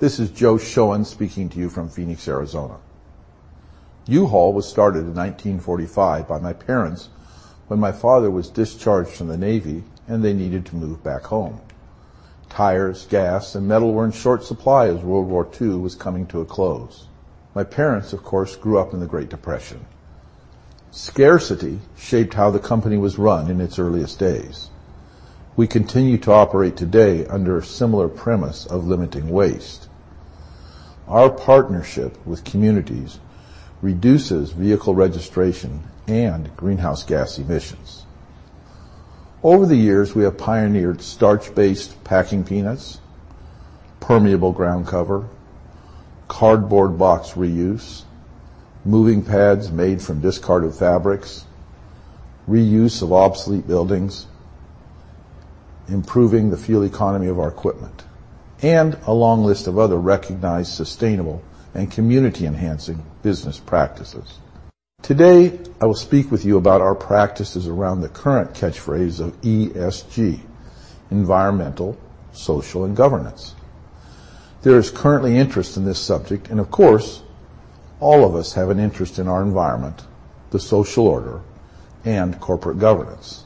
This is Joe Shoen speaking to you from Phoenix, Arizona. U-Haul was started in 1945 by my parents when my father was discharged from the Navy and they needed to move back home. Tires, gas, and metal were in short supply as World War II was coming to a close. My parents, of course, grew up in the Great Depression. Scarcity shaped how the company was run in its earliest days. We continue to operate today under a similar premise of limiting waste. Our partnership with communities reduces vehicle registration and greenhouse gas emissions. Over the years, we have pioneered starch-based packing peanuts, permeable ground cover, cardboard box reuse, moving pads made from discarded fabrics, reuse of obsolete buildings, improving the fuel economy of our equipment, and a long list of other recognized sustainable and community-enhancing business practices. Today, I will speak with you about our practices around the current catchphrase of ESG, environmental, social, and governance. There is currently interest in this subject and of course, all of us have an interest in our environment, the social order, and corporate governance.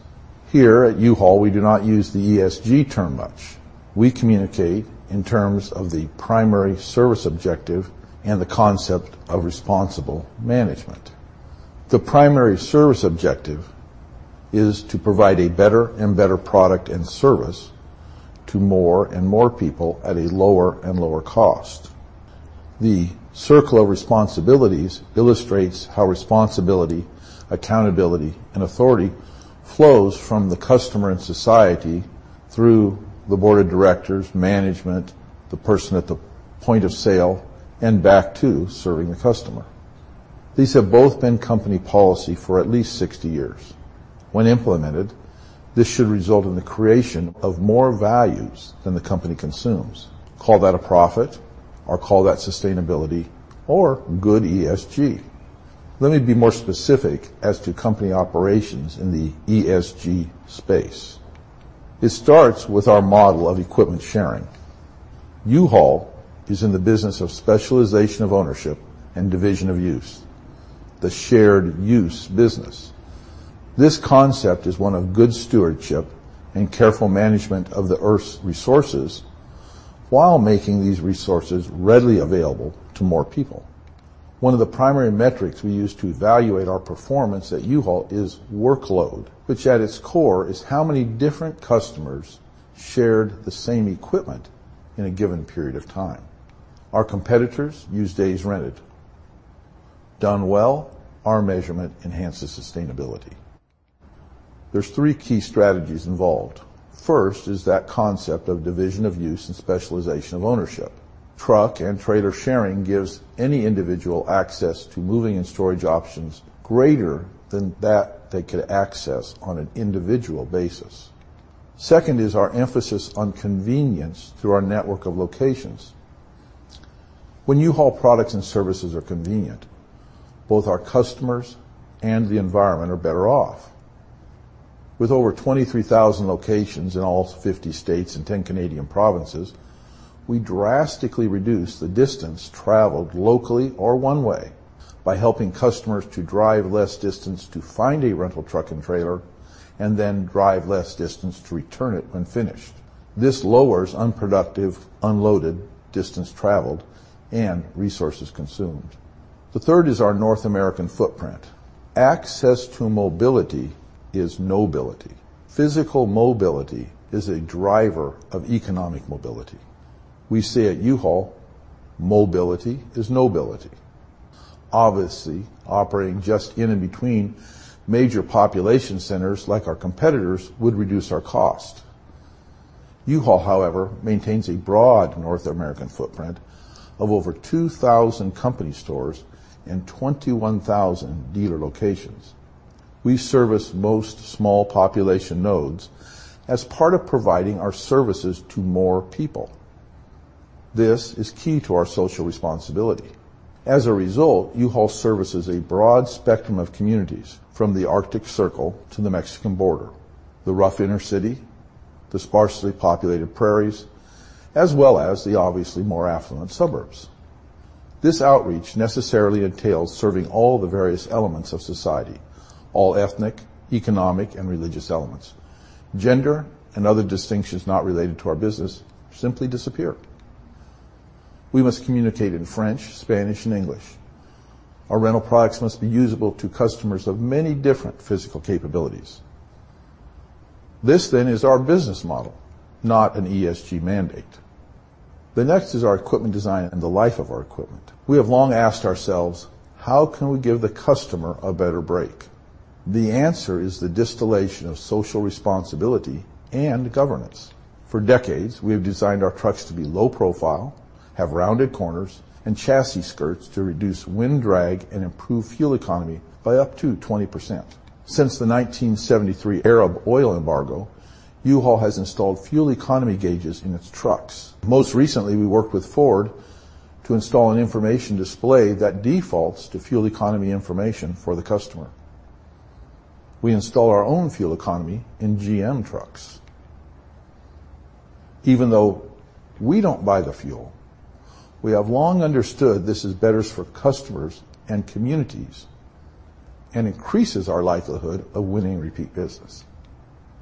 Here at U-Haul, we do not use the ESG term much. We communicate in terms of the Primary Service Objective and the concept of responsible management. The Primary Service Objective is to provide a better and better product and service to more and more people at a lower and lower cost. The Circle of Responsibilities illustrates how responsibility, accountability, and authority flows from the customer and society through the board of directors, management, the person at the point of sale, and back to serving the customer. These have both been company policy for at least 60 years. When implemented, this should result in the creation of more values than the company consumes. Call that a profit or call that sustainability or good ESG. Let me be more specific as to company operations in the ESG space. It starts with our model of equipment sharing. U-Haul is in the business of specialization of ownership and division of use, the shared use business. This concept is one of good stewardship and careful management of the Earth's resources while making these resources readily available to more people. One of the primary metrics we use to evaluate our performance at U-Haul is workload, which at its core is how many different customers shared the same equipment in a given period of time. Our competitors use days rented. Done well, our measurement enhances sustainability. There's three key strategies involved. First is that concept of division of use and specialization of ownership. Truck and trailer sharing gives any individual access to moving and storage options greater than that they could access on an individual basis. Second is our emphasis on convenience through our network of locations. When U-Haul products and services are convenient, both our customers and the environment are better off. With over 23,000 locations in all 50 states and 10 Canadian provinces, we drastically reduce the distance traveled locally or one way by helping customers to drive less distance to find a rental truck and trailer, and then drive less distance to return it when finished. This lowers unproductive, unloaded distance traveled and resources consumed. The third is our North American footprint. Access to mobility is nobility. Physical mobility is a driver of economic mobility. We say at U-Haul, mobility is nobility. Obviously, operating just in and between major population centers like our competitors would reduce our cost. U-Haul, however, maintains a broad North American footprint of over 2,000 company stores and 21,000 dealer locations. We service most small population nodes as part of providing our services to more people. This is key to our social responsibility. As a result, U-Haul services a broad spectrum of communities from the Arctic Circle to the Mexican border, the rough inner city, the sparsely populated prairies, as well as the obviously more affluent suburbs. This outreach necessarily entails serving all the various elements of society, all ethnic, economic, and religious elements. Gender and other distinctions not related to our business simply disappear. We must communicate in French, Spanish, and English. Our rental products must be usable to customers of many different physical capabilities. This then is our business model, not an ESG mandate. The next is our equipment design and the life of our equipment. We have long asked ourselves, how can we give the customer a better break? The answer is the distillation of social responsibility and governance. For decades, we have designed our trucks to be low profile, have rounded corners and chassis skirts to reduce wind drag and improve fuel economy by up to 20%. Since the 1973 Arab oil embargo, U-Haul has installed fuel economy gauges in its trucks. Most recently, we worked with Ford to install an information display that defaults to fuel economy information for the customer. We install our own fuel economy in GM trucks. Even though we don't buy the fuel, we have long understood this is better for customers and communities and increases our likelihood of winning repeat business.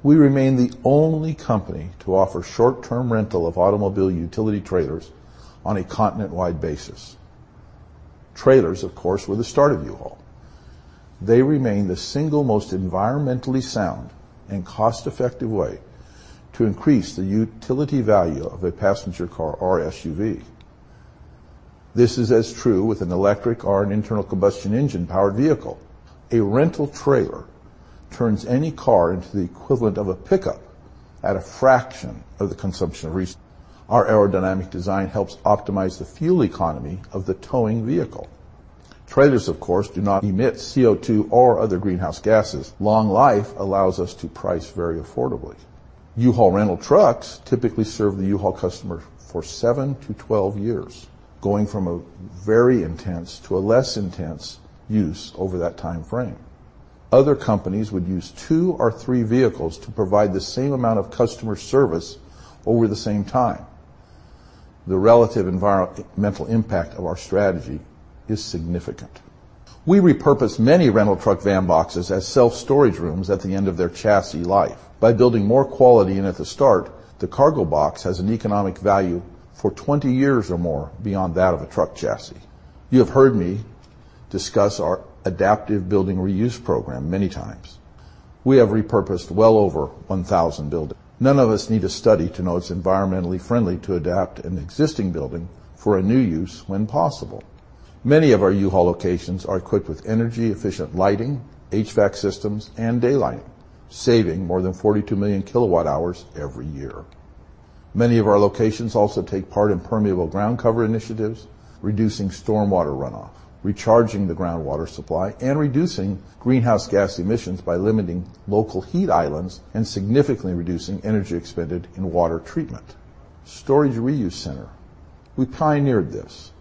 We remain the only company to offer short-term rental of automobile utility trailers on a continent-wide basis. Trailers, of course, were the start of U-Haul. They remain the single most environmentally sound and cost-effective way to increase the utility value of a passenger car or SUV. This is as true with an electric or an internal combustion engine-powered vehicle. A rental trailer turns any car into the equivalent of a pickup at a fraction of the consumption of renting. Our aerodynamic design helps optimize the fuel economy of the towing vehicle. Trailers, of course, do not emit CO2 or other greenhouse gases. Long life allows us to price very affordably. U-Haul rental trucks typically serve the U-Haul customer for 7-12 years, going from a very intense to a less intense use over that time frame. Other companies would use two or three vehicles to provide the same amount of customer service over the same time. The relative environmental impact of our strategy is significant. We repurpose many rental truck van boxes as self-storage rooms at the end of their chassis life. By building more quality in at the start, the cargo box has an economic value for 20 years or more beyond that of a truck chassis. You have heard me discuss our adaptive building reuse program many times. We have repurposed well over 1,000 buildings. None of us need a study to know it's environmentally friendly to adapt an existing building for a new use when possible. Many of our U-Haul locations are equipped with energy-efficient lighting, HVAC systems, and daylighting, saving more than 42 million kWh every year. Many of our locations also take part in permeable ground cover initiatives, reducing stormwater runoff, recharging the groundwater supply, and reducing greenhouse gas emissions by limiting local heat islands and significantly reducing energy expended in water treatment. Storage Re-Use Center. We pioneered this.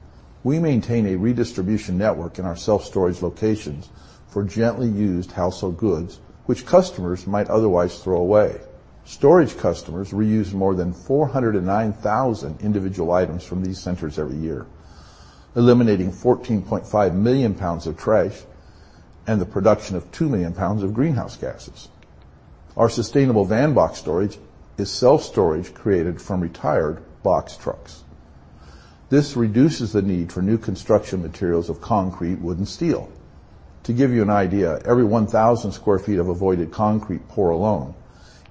We maintain a redistribution network in our self-storage locations for gently used household goods, which customers might otherwise throw away. Storage customers reuse more than 409,000 individual items from these centers every year, eliminating 14.5 million pounds of trash and the production of 2 million pounds of greenhouse gases. Our sustainable van box storage is self-storage created from retired box trucks. This reduces the need for new construction materials of concrete, wood, and steel. To give you an idea, every 1,000 sq ft of avoided concrete pour alone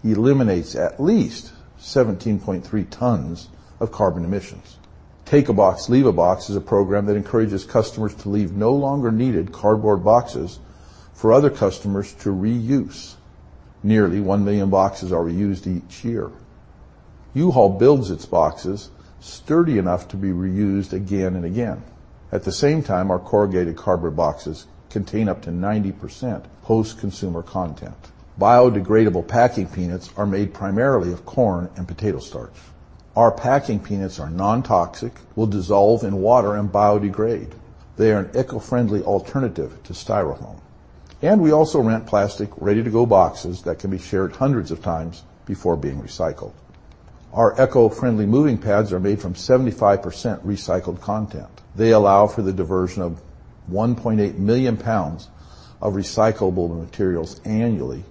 eliminates at least 17.3 tons of carbon emissions. Take a Box, Leave a Box is a program that encourages customers to leave no longer needed cardboard boxes for other customers to reuse. Nearly 1 million boxes are reused each year. U-Haul builds its boxes sturdy enough to be reused again and again. At the same time, our corrugated cardboard boxes contain up to 90% post-consumer content. Biodegradable packing peanuts are made primarily of corn and potato starch. Our packing peanuts are non-toxic, will dissolve in water, and biodegrade. They are an eco-friendly alternative to Styrofoam. We also rent plastic Ready-To-Go boxes that can be shared hundreds of times before being recycled. Our eco-friendly moving pads are made from 75% recycled content. They allow for the diversion of 1.8 million pounds of recyclable materials annually.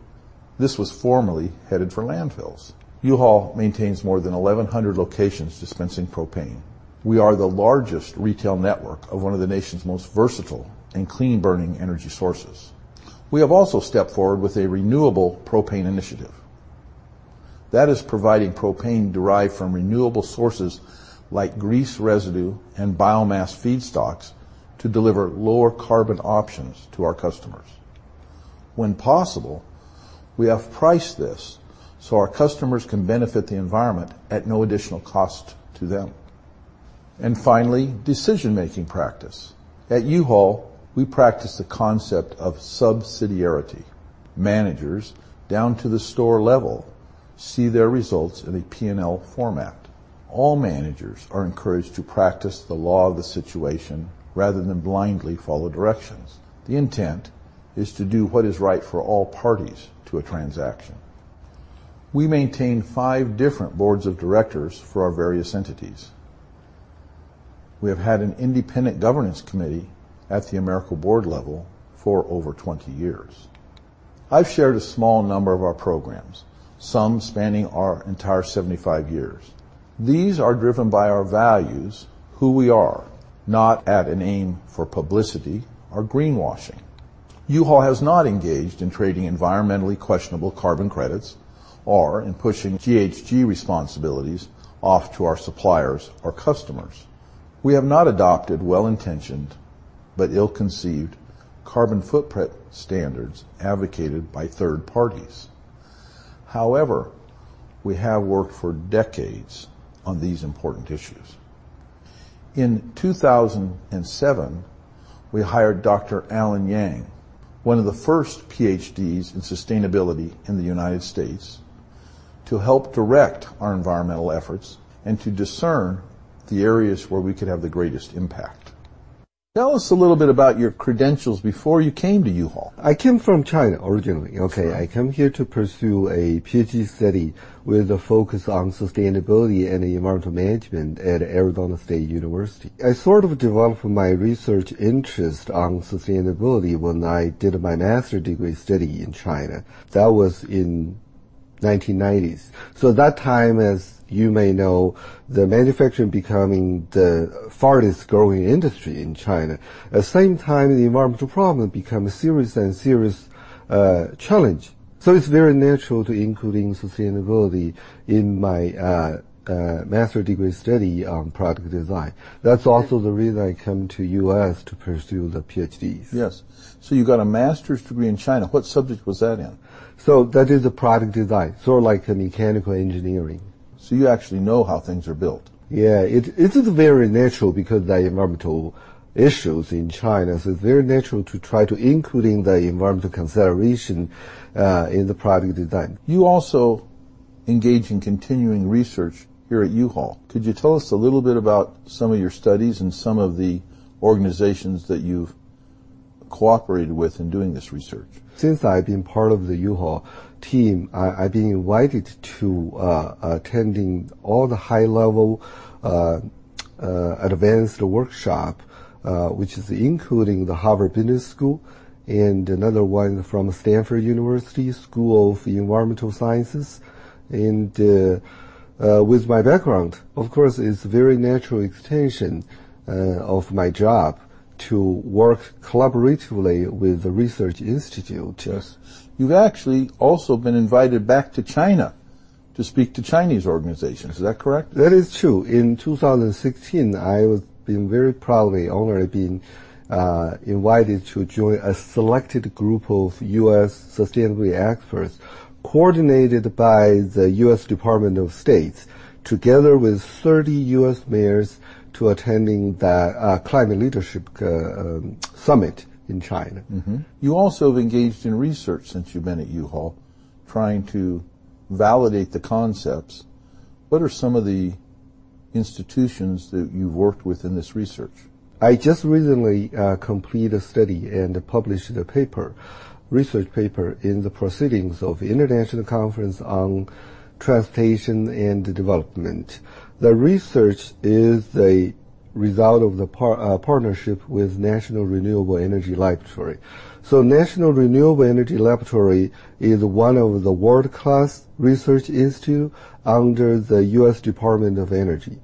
This was formerly headed for landfills. U-Haul maintains more than 1,100 locations dispensing propane. We are the largest retail network of one of the nation's most versatile and clean-burning energy sources. We have also stepped forward with a renewable propane initiative. That is providing propane derived from renewable sources like grease residue and biomass feedstocks to deliver lower carbon options to our customers. When possible, we have priced this so our customers can benefit the environment at no additional cost to them. Finally, decision-making practice. At U-Haul, we practice the concept of subsidiarity. Managers down to the store level see their results in a P&L format. All managers are encouraged to practice the law of the situation rather than blindly follow directions. The intent is to do what is right for all parties to a transaction. We maintain five different boards of directors for our various entities. We have had an independent governance committee at the AMERCO board level for over 20 years. I've shared a small number of our programs, some spanning our entire 75 years. These are driven by our values, who we are, not an aim for publicity or greenwashing. U-Haul has not engaged in trading environmentally questionable carbon credits or in pushing GHG responsibilities off to our suppliers or customers. We have not adopted well-intentioned but ill-conceived carbon footprint standards advocated by third parties. However, we have worked for decades on these important issues. In 2007, we hired Dr. Allan Yang, one of the first PhDs in sustainability in the United States, to help direct our environmental efforts and to discern the areas where we could have the greatest impact. Tell us a little bit about your credentials before you came to U-Haul? I came from China originally, okay. I come here to pursue a PhD study with a focus on sustainability and environmental management at Arizona State University. I sort of developed my research interest on sustainability when I did my master degree study in China. That was in 1990s. That time, as you may know, the manufacturing becoming the fastest-growing industry in China. At same time, the environmental problem become serious challenge. It's very natural to including sustainability in my master degree study on product design. That's also the reason I come to U.S., to pursue the PhD. Yes. You got a master's degree in China. What subject was that in? That is a product design, so like a mechanical engineering. You actually know how things are built. Yeah. It is very natural because the environmental issues in China, so it's very natural to try to including the environmental consideration in the product design. You also engage in continuing research here at U-Haul. Could you tell us a little bit about some of your studies and some of the organizations that you've cooperated with in doing this research? Since I've been part of the U-Haul team, I've been invited to attend all the high-level advanced workshop which is including the Harvard Business School and another one from Stanford University School of Environmental Sciences. With my background, of course, it's very natural extension of my job to work collaboratively with the research institute. Yes. You've actually also been invited back to China to speak to Chinese organizations. Is that correct? That is true. In 2016, I was very proudly honored, invited to join a selected group of U.S. sustainability experts coordinated by the U.S. Department of State, together with 30 U.S. mayors to attend the Climate Leaders Summit in China. You also have engaged in research since you've been at U-Haul, trying to validate the concepts. What are some of the institutions that you've worked with in this research? I just recently completed a study and published a paper, research paper, in the proceedings of the International Conference on Transportation and Development. The research is a result of the partnership with National Renewable Energy Laboratory. National Renewable Energy Laboratory is one of the world-class research institutes under the U.S. Department of Energy.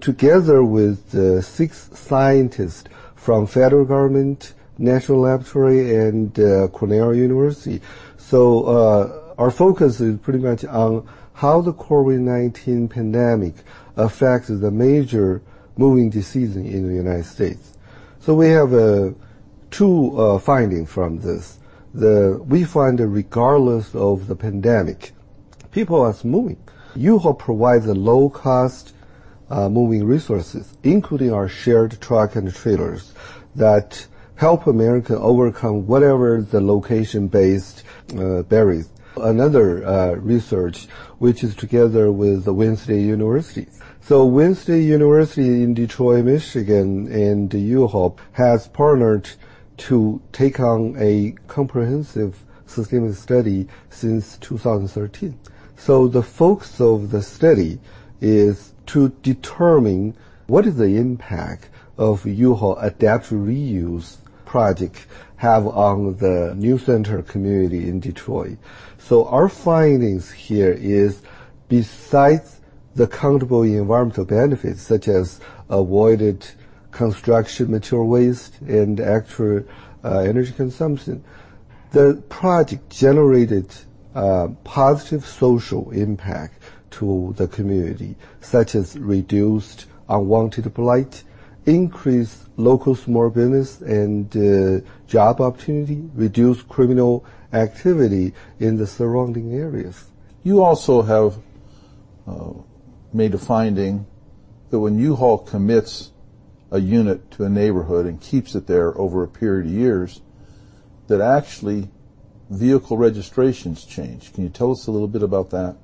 Together with six scientists from federal government, national laboratory, and Cornell University, our focus is pretty much on how the COVID-19 pandemic affects the major moving decisions in the United States. We have two findings from this. We find that regardless of the pandemic, people are moving. U-Haul provides the low-cost moving resources, including our shared truck and trailers, that help America overcome whatever the location-based barriers. Another research, which is together with Wayne State University. Wayne State University in Detroit, Michigan, and U-Haul has partnered to take on a comprehensive sustainability study since 2013. The focus of the study is to determine what is the impact of U-Haul adaptive reuse project have on the New Center community in Detroit. Our findings here is, besides the considerable environmental benefits, such as avoided construction material waste and actual energy consumption, the project generated positive social impact to the community, such as reduced unwanted blight, increased local small business and job opportunity, reduced criminal activity in the surrounding areas. You also have made a finding that when U-Haul commits a unit to a neighborhood and keeps it there over a period of years, that actually vehicle registrations change. Can you tell us a little bit about that?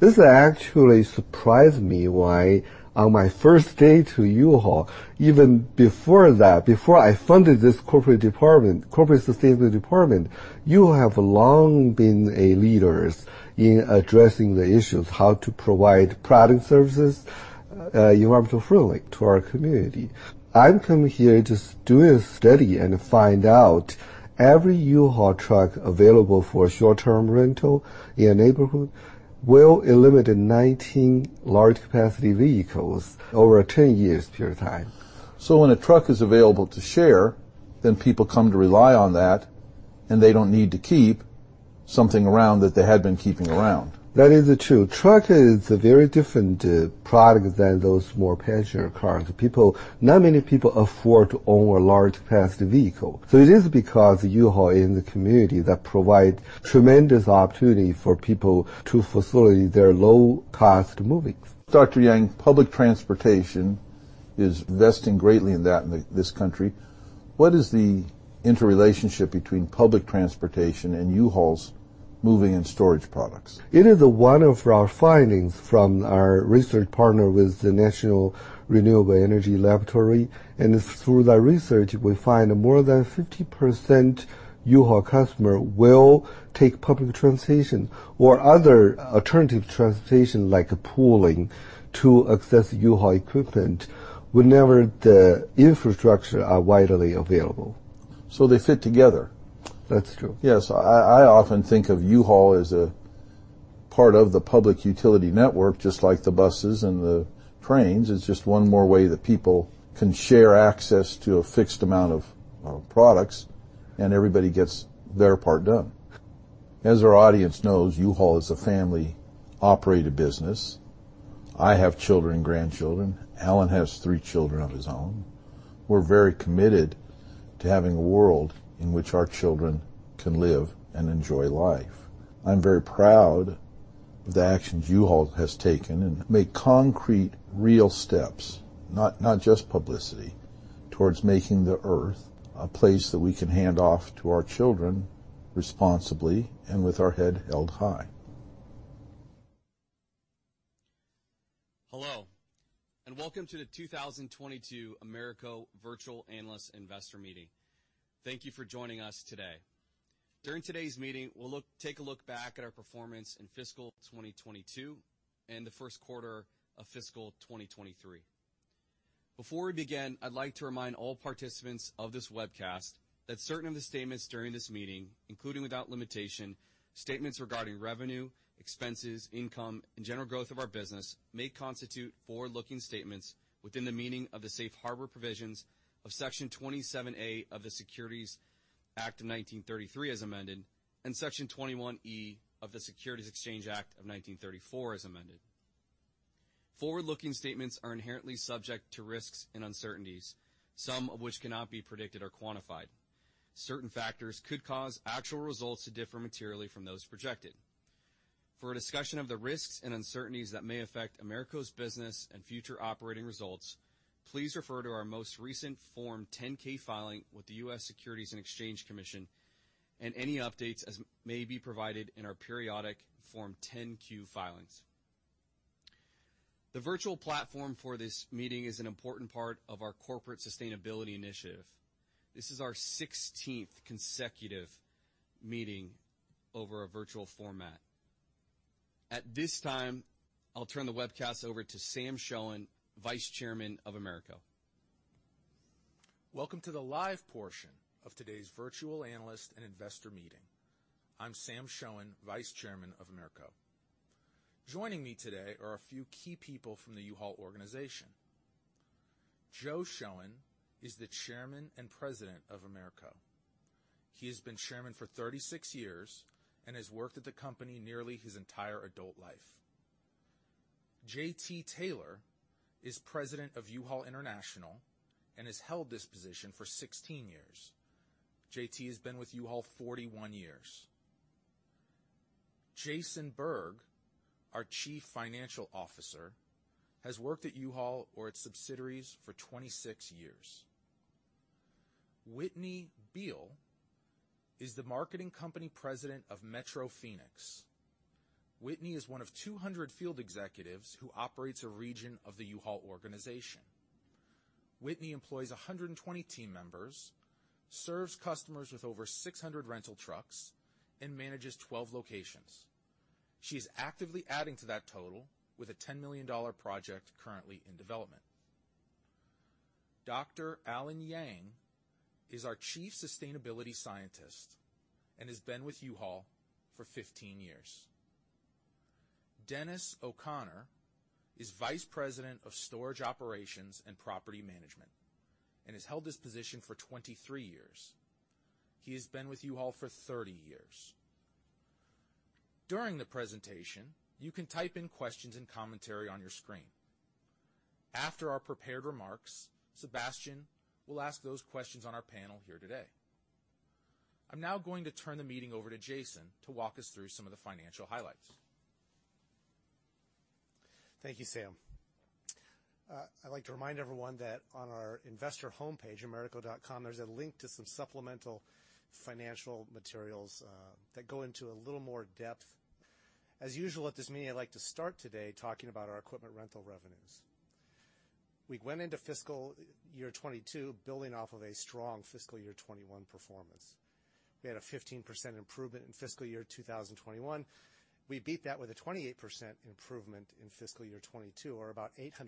This actually surprised me why on my first day at U-Haul, even before that, before I founded this corporate department, corporate sustainability department, U-Haul has long been a leader in addressing the issues how to provide product services environmentally friendly to our community. I come here just to do a study and find out every U-Haul truck available for short-term rental in a neighborhood will eliminate 19 large capacity vehicles over a 10 years period of time. When a truck is available to share, then people come to rely on that, and they don't need to keep something around that they had been keeping around. That is true. Truck is a very different product than those more passenger cars. Not many people afford to own a large-capacity vehicle. It is because U-Haul in the community that provide tremendous opportunity for people to facilitate their low-cost moves. Dr. Yang, public transportation is investing greatly in that in this country. What is the interrelationship between public transportation and U-Haul's moving and storage products? It is one of our findings from our research partner with the National Renewable Energy Laboratory. Through that research, we find that more than 50% U-Haul customer will take public transportation or other alternative transportation, like pooling, to access U-Haul equipment whenever the infrastructure are widely available. They fit together. That's true. Yes. I often think of U-Haul as a part of the public utility network, just like the buses and the trains. It's just one more way that people can share access to a fixed amount of products, and everybody gets their part done. As our audience knows, U-Haul is a family-operated business. I have children and grandchildren. Allan has three children of his own. We're very committed to having a world in which our children can live and enjoy life. I'm very proud of the actions U-Haul has taken and make concrete, real steps, not just publicity, towards making the Earth a place that we can hand off to our children responsibly and with our head held high. Hello, and welcome to the 2022 AMERCO Virtual Analyst Investor Meeting. Thank you for joining us today. During today's meeting, we'll take a look back at our performance in fiscal 2022 and the first quarter of fiscal 2023. Before we begin, I'd like to remind all participants of this webcast that certain of the statements during this meeting, including without limitation, statements regarding revenue, expenses, income, and general growth of our business, may constitute forward-looking statements within the meaning of the safe harbor provisions of Section 27A of the Securities Act of 1933 as amended, and Section 21E of the Securities Exchange Act of 1934 as amended. Forward-looking statements are inherently subject to risks and uncertainties, some of which cannot be predicted or quantified. Certain factors could cause actual results to differ materially from those projected. For a discussion of the risks and uncertainties that may affect AMERCO's business and future operating results, please refer to our most recent Form 10-K filing with the U.S. Securities and Exchange Commission, and any updates as may be provided in our periodic Form 10-Q filings. The virtual platform for this meeting is an important part of our corporate sustainability initiative. This is our sixteenth consecutive meeting over a virtual format. At this time, I'll turn the webcast over to Sam Shoen, Vice Chairman of AMERCO. Welcome to the live portion of today's Virtual Analyst and Investor Meeting. I'm Sam Shoen, Vice Chairman of AMERCO. Joining me today are a few key people from the U-Haul organization. Joe Shoen is the Chairman and President of AMERCO. He has been chairman for 36 years and has worked at the company nearly his entire adult life. JT Taylor is President of U-Haul International and has held this position for 16 years. JT has been with U-Haul 41 years. Jason Berg, our Chief Financial Officer, has worked at U-Haul or its subsidiaries for 26 years. Whitney Beall is the Marketing Company President of Metro Phoenix. Whitney is one of 200 field executives who operates a region of the U-Haul organization. Whitney employs 120 team members, serves customers with over 600 rental trucks, and manages 12 locations. She's actively adding to that total with a $10 million project currently in development. Dr. Allan Yang is our Chief Sustainability Scientist and has been with U-Haul for 15 years. Dennis O'Connor is Vice President of Storage Operations and Property Management and has held this position for 23 years. He has been with U-Haul for 30 years. During the presentation, you can type in questions and commentary on your screen. After our prepared remarks, Sebastien will ask those questions on our panel here today. I'm now going to turn the meeting over to Jason to walk us through some of the financial highlights. Thank you, Sam. I'd like to remind everyone that on our investor homepage, amerco.com, there's a link to some supplemental financial materials that go into a little more depth. As usual at this meeting, I'd like to start today talking about our equipment rental revenues. We went into fiscal year 2022 building off of a strong fiscal year 2021 performance. We had a 15% improvement in fiscal year 2021. We beat that with a 28% improvement in fiscal year 2022 or about $877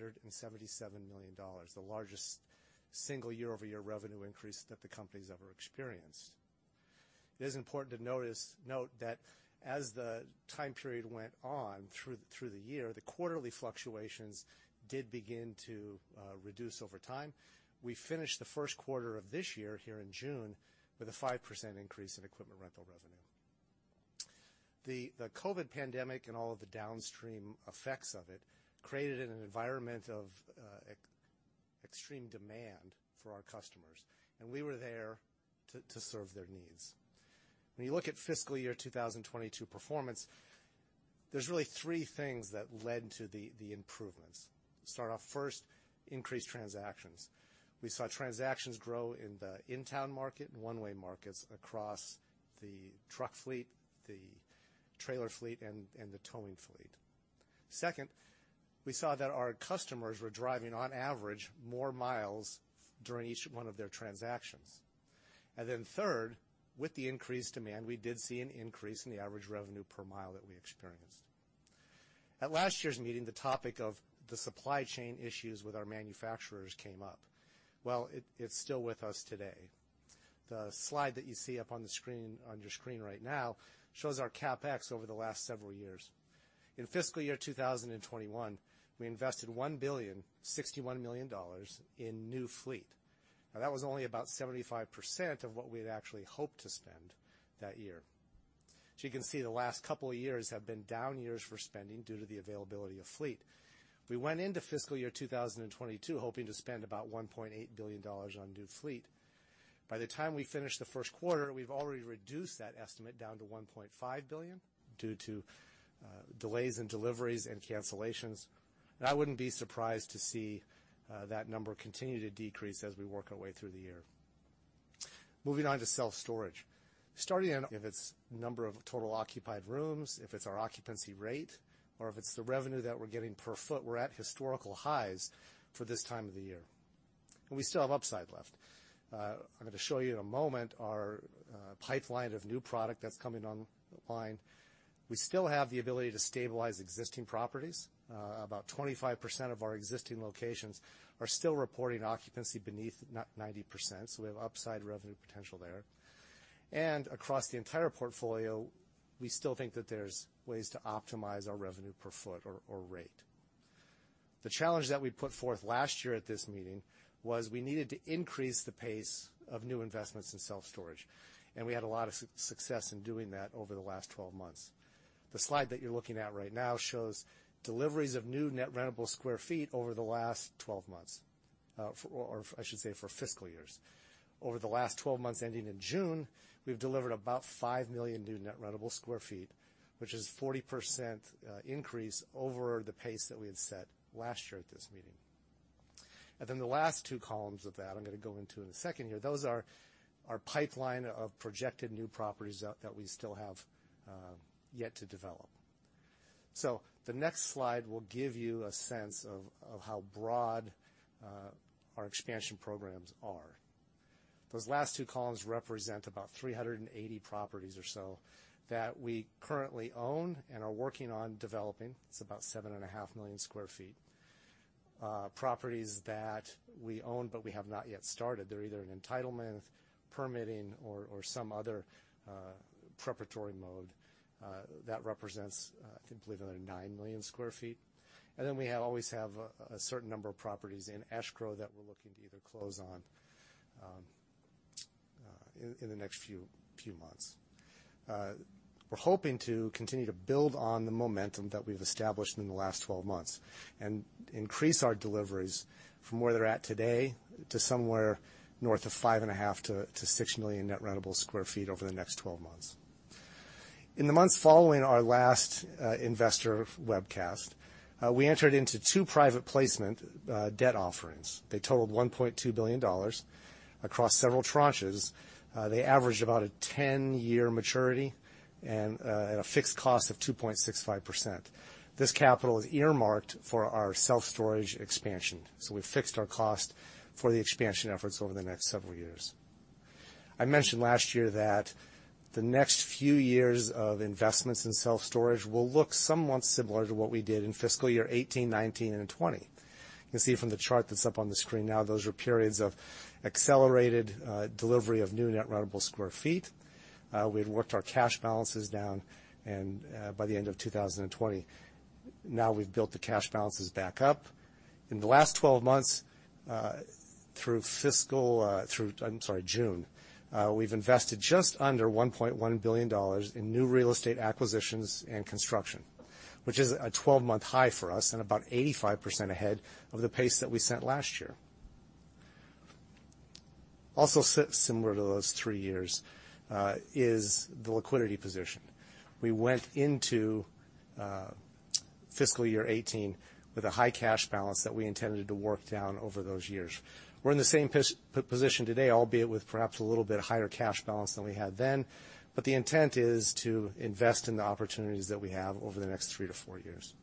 million, the largest single year-over-year revenue increase that the company's ever experienced. It is important to note that as the time period went on through the year, the quarterly fluctuations did begin to reduce over time. We finished the first quarter of this year here in June with a 5% increase in equipment rental revenue. The COVID pandemic and all of the downstream effects of it created an environment of extreme demand for our customers, and we were there to serve their needs. When you look at fiscal year 2022 performance. There's really three things that led to the improvements. Start off first, increased transactions. We saw transactions grow in the in-town market and one-way markets across the truck fleet, the trailer fleet, and the towing fleet. Second, we saw that our customers were driving, on average, more miles during each one of their transactions. Then third, with the increased demand, we did see an increase in the average revenue per mile that we experienced. At last year's meeting, the topic of the supply chain issues with our manufacturers came up. Well, it's still with us today. The slide that you see up on the screen, on your screen right now shows our CapEx over the last several years. In fiscal year 2021, we invested $1.061 billion in new fleet. Now, that was only about 75% of what we had actually hoped to spend that year. You can see the last couple of years have been down years for spending due to the availability of fleet. We went into fiscal year 2022 hoping to spend about $1.8 billion on new fleet. By the time we finished the first quarter, we've already reduced that estimate down to $1.5 billion due to delays in deliveries and cancellations. I wouldn't be surprised to see that number continue to decrease as we work our way through the year. Moving on to self-storage. Starting in, if it's number of total occupied rooms, if it's our occupancy rate, or if it's the revenue that we're getting per foot, we're at historical highs for this time of the year, and we still have upside left. I'm gonna show you in a moment our pipeline of new product that's coming online. We still have the ability to stabilize existing properties. About 25% of our existing locations are still reporting occupancy beneath 90%, so we have upside revenue potential there. Across the entire portfolio, we still think that there's ways to optimize our revenue per foot or rate. The challenge that we put forth last year at this meeting was we needed to increase the pace of new investments in self-storage, and we had a lot of success in doing that over the last 12 months. The slide that you're looking at right now shows deliveries of new net rentable sq ft over the last 12 months for fiscal years. Over the last 12 months ending in June, we've delivered about 5 million new net rentable sq ft, which is 40% increase over the pace that we had set last year at this meeting. The last two columns of that, I'm gonna go into in a second here. Those are our pipeline of projected new properties that we still have yet to develop. The next slide will give you a sense of how broad our expansion programs are. Those last two columns represent about 380 properties or so that we currently own and are working on developing. It's about 7.5 million sq ft. Properties that we own but we have not yet started, they're either in entitlement, permitting, or some other preparatory mode, that represents, I believe, another 9 million sq ft. We always have a certain number of properties in escrow that we're looking to either close on in the next few months. We're hoping to continue to build on the momentum that we've established in the last 12 months and increase our deliveries from where they're at today to somewhere north of 5.5-6 million net rentable sq ft over the next 12 months. In the months following our last investor webcast, we entered into two private placement debt offerings. They totaled $1.2 billion across several tranches. They averaged about a 10-year maturity and at a fixed cost of 2.65%. This capital is earmarked for our self-storage expansion, so we fixed our cost for the expansion efforts over the next several years. I mentioned last year that the next few years of investments in self-storage will look somewhat similar to what we did in fiscal year 2018, 2019, and 2020. You can see from the chart that's up on the screen now, those are periods of accelerated delivery of new net rentable square feet. We'd worked our cash balances down and by the end of 2020. Now we've built the cash balances back up. In the last 12 months, I'm sorry, through June, we've invested just under $1.1 billion in new real estate acquisitions and construction, which is a 12-month high for us and about 85% ahead of the pace that we set last year. Also similar to those three years is the liquidity position. We went into fiscal year 2018 with a high cash balance that we intended to work down over those years. We're in the same position today, albeit with perhaps a little bit higher cash balance than we had then, but the intent is to invest in the opportunities that we have over the next three to four years.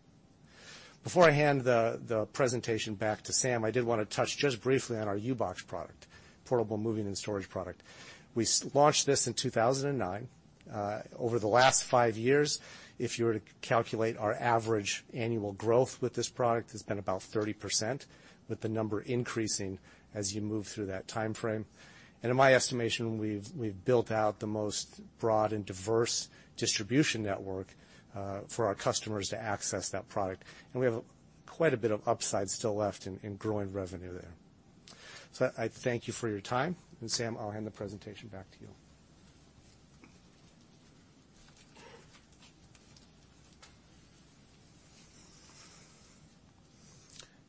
Before I hand the presentation back to Sam, I did wanna touch just briefly on our U-Box product, portable moving and storage product. We launched this in 2009. Over the last five years, if you were to calculate our average annual growth with this product, it's been about 30%, with the number increasing as you move through that timeframe. In my estimation, we've built out the most broad and diverse distribution network for our customers to access that product. We have quite a bit of upside still left in growing revenue there. I thank you for your time. Sam, I'll hand the presentation back to you.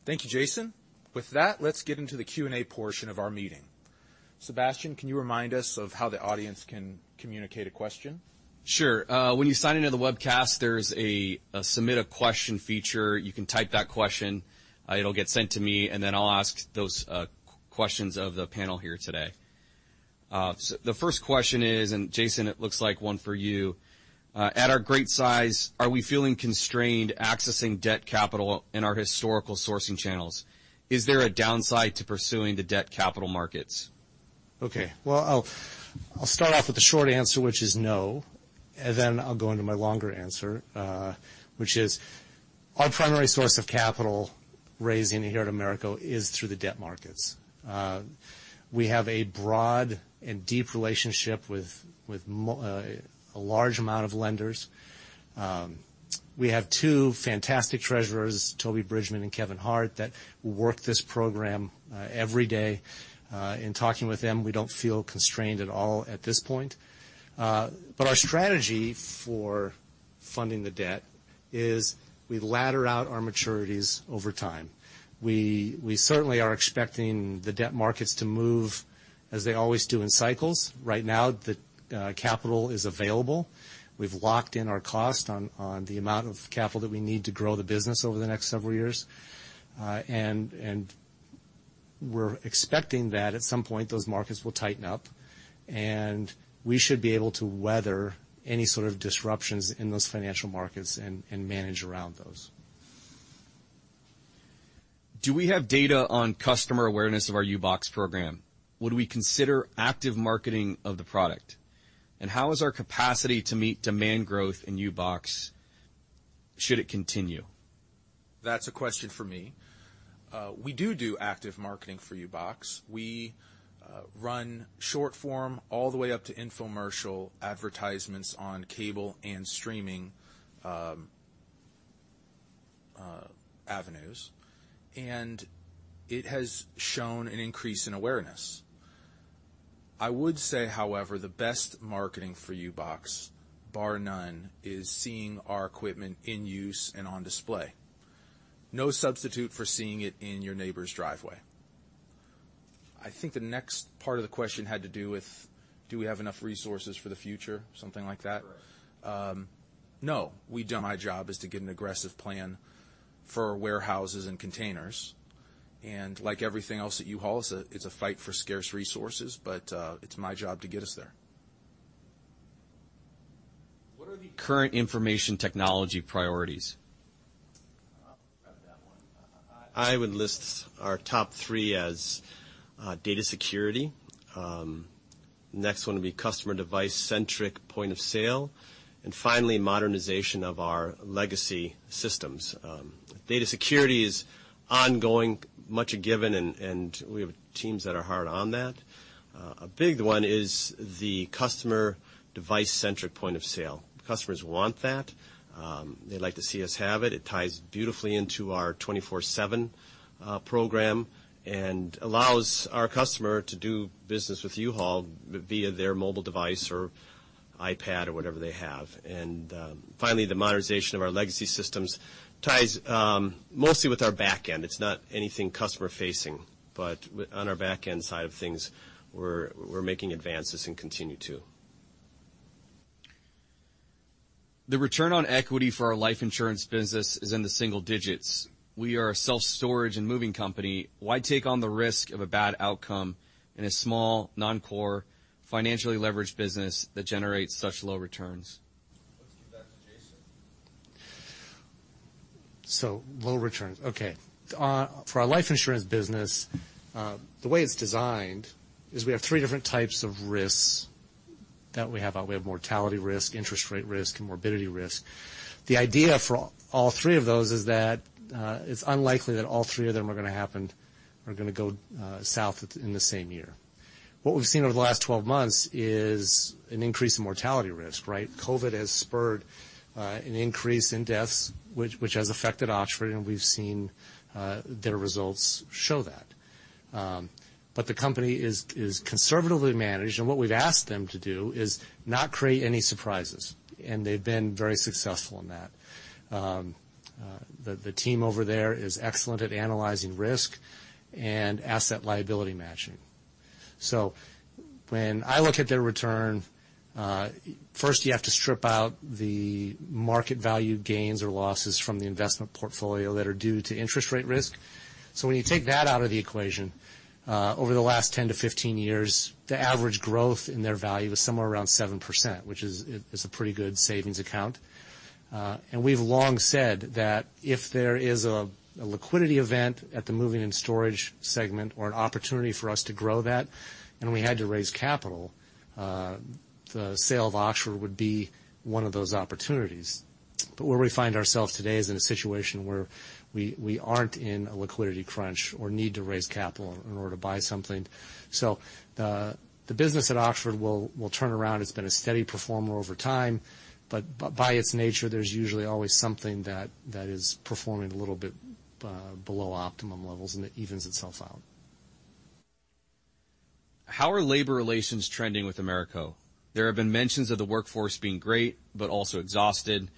Thank you, Jason. With that, let's get into the Q&A portion of our meeting. Sebastien, can you remind us of how the audience can communicate a question? Sure. When you sign into the webcast, there's a Submit a Question feature. You can type that question, it'll get sent to me, and then I'll ask those questions of the panel here today. The first question is, Jason, it looks like one for you, "At our great size, are we feeling constrained accessing debt capital in our historical sourcing channels? Is there a downside to pursuing the debt capital markets? Okay. Well, I'll start off with the short answer, which is no, and then I'll go into my longer answer, which is our primary source of capital raising here at AMERCO is through the debt markets. We have a broad and deep relationship with a large amount of lenders. We have two fantastic treasurers, Toby Bridgeman and Kevin Harte, that work this program every day. In talking with them, we don't feel constrained at all at this point. Our strategy for funding the debt is we ladder out our maturities over time. We certainly are expecting the debt markets to move as they always do in cycles. Right now, the capital is available. We've locked in our cost on the amount of capital that we need to grow the business over the next several years. We're expecting that at some point, those markets will tighten up, and we should be able to weather any sort of disruptions in those financial markets and manage around those. Do we have data on customer awareness of our U-Box program? Would we consider active marketing of the product? How is our capacity to meet demand growth in U-Box, should it continue? That's a question for me. We do active marketing for U-Box. We run short form all the way up to infomercial advertisements on cable and streaming avenues, and it has shown an increase in awareness. I would say, however, the best marketing for U-Box, bar none, is seeing our equipment in use and on display. No substitute for seeing it in your neighbor's driveway. I think the next part of the question had to do with, do we have enough resources for the future? Something like that. Correct. No. We don't. My job is to get an aggressive plan for warehouses and containers. Like everything else at U-Haul, it's a fight for scarce resources, but it's my job to get us there. What are the current information technology priorities? I would list our top three as data security. Next one would be customer device-centric point of sale. Finally, modernization of our legacy systems. Data security is ongoing, much a given, and we have teams that are hard on that. A big one is the customer device-centric point of sale. Customers want that. They'd like to see us have it. It ties beautifully into our 24/7 program and allows our customer to do business with U-Haul via their mobile device or iPad or whatever they have. Finally, the modernization of our legacy systems ties mostly with our back end. It's not anything customer-facing, but on our back end side of things, we're making advances and continue to. The return on equity for our life insurance business is in the single digits. We are a self-storage and moving company. Why take on the risk of a bad outcome in a small, non-core, financially leveraged business that generates such low returns? Let's give that to Jason. Low returns. Okay. For our life insurance business, the way it's designed is we have three different types of risks that we have. We have mortality risk, interest rate risk, and morbidity risk. The idea for all three of those is that it's unlikely that all three of them are gonna happen or gonna go south in the same year. What we've seen over the last 12 months is an increase in mortality risk, right? COVID has spurred an increase in deaths, which has affected Oxford, and we've seen their results show that. The company is conservatively managed, and what we've asked them to do is not create any surprises, and they've been very successful in that. The team over there is excellent at analyzing risk and asset liability matching. When I look at their return, first you have to strip out the market value gains or losses from the investment portfolio that are due to interest rate risk. When you take that out of the equation, over the last 10-15 years, the average growth in their value is somewhere around 7%, which is, it is a pretty good savings account. We've long said that if there is a liquidity event at the moving and storage segment or an opportunity for us to grow that, and we had to raise capital, the sale of Oxford would be one of those opportunities. Where we find ourselves today is in a situation where we aren't in a liquidity crunch or need to raise capital in order to buy something. The business at Oxford will turn around. It's been a steady performer over time, but by its nature, there's usually always something that is performing a little bit below optimum levels, and it evens itself out. How are labor relations trending with AMERCO? There have been mentions of the workforce being great, but also exhausted.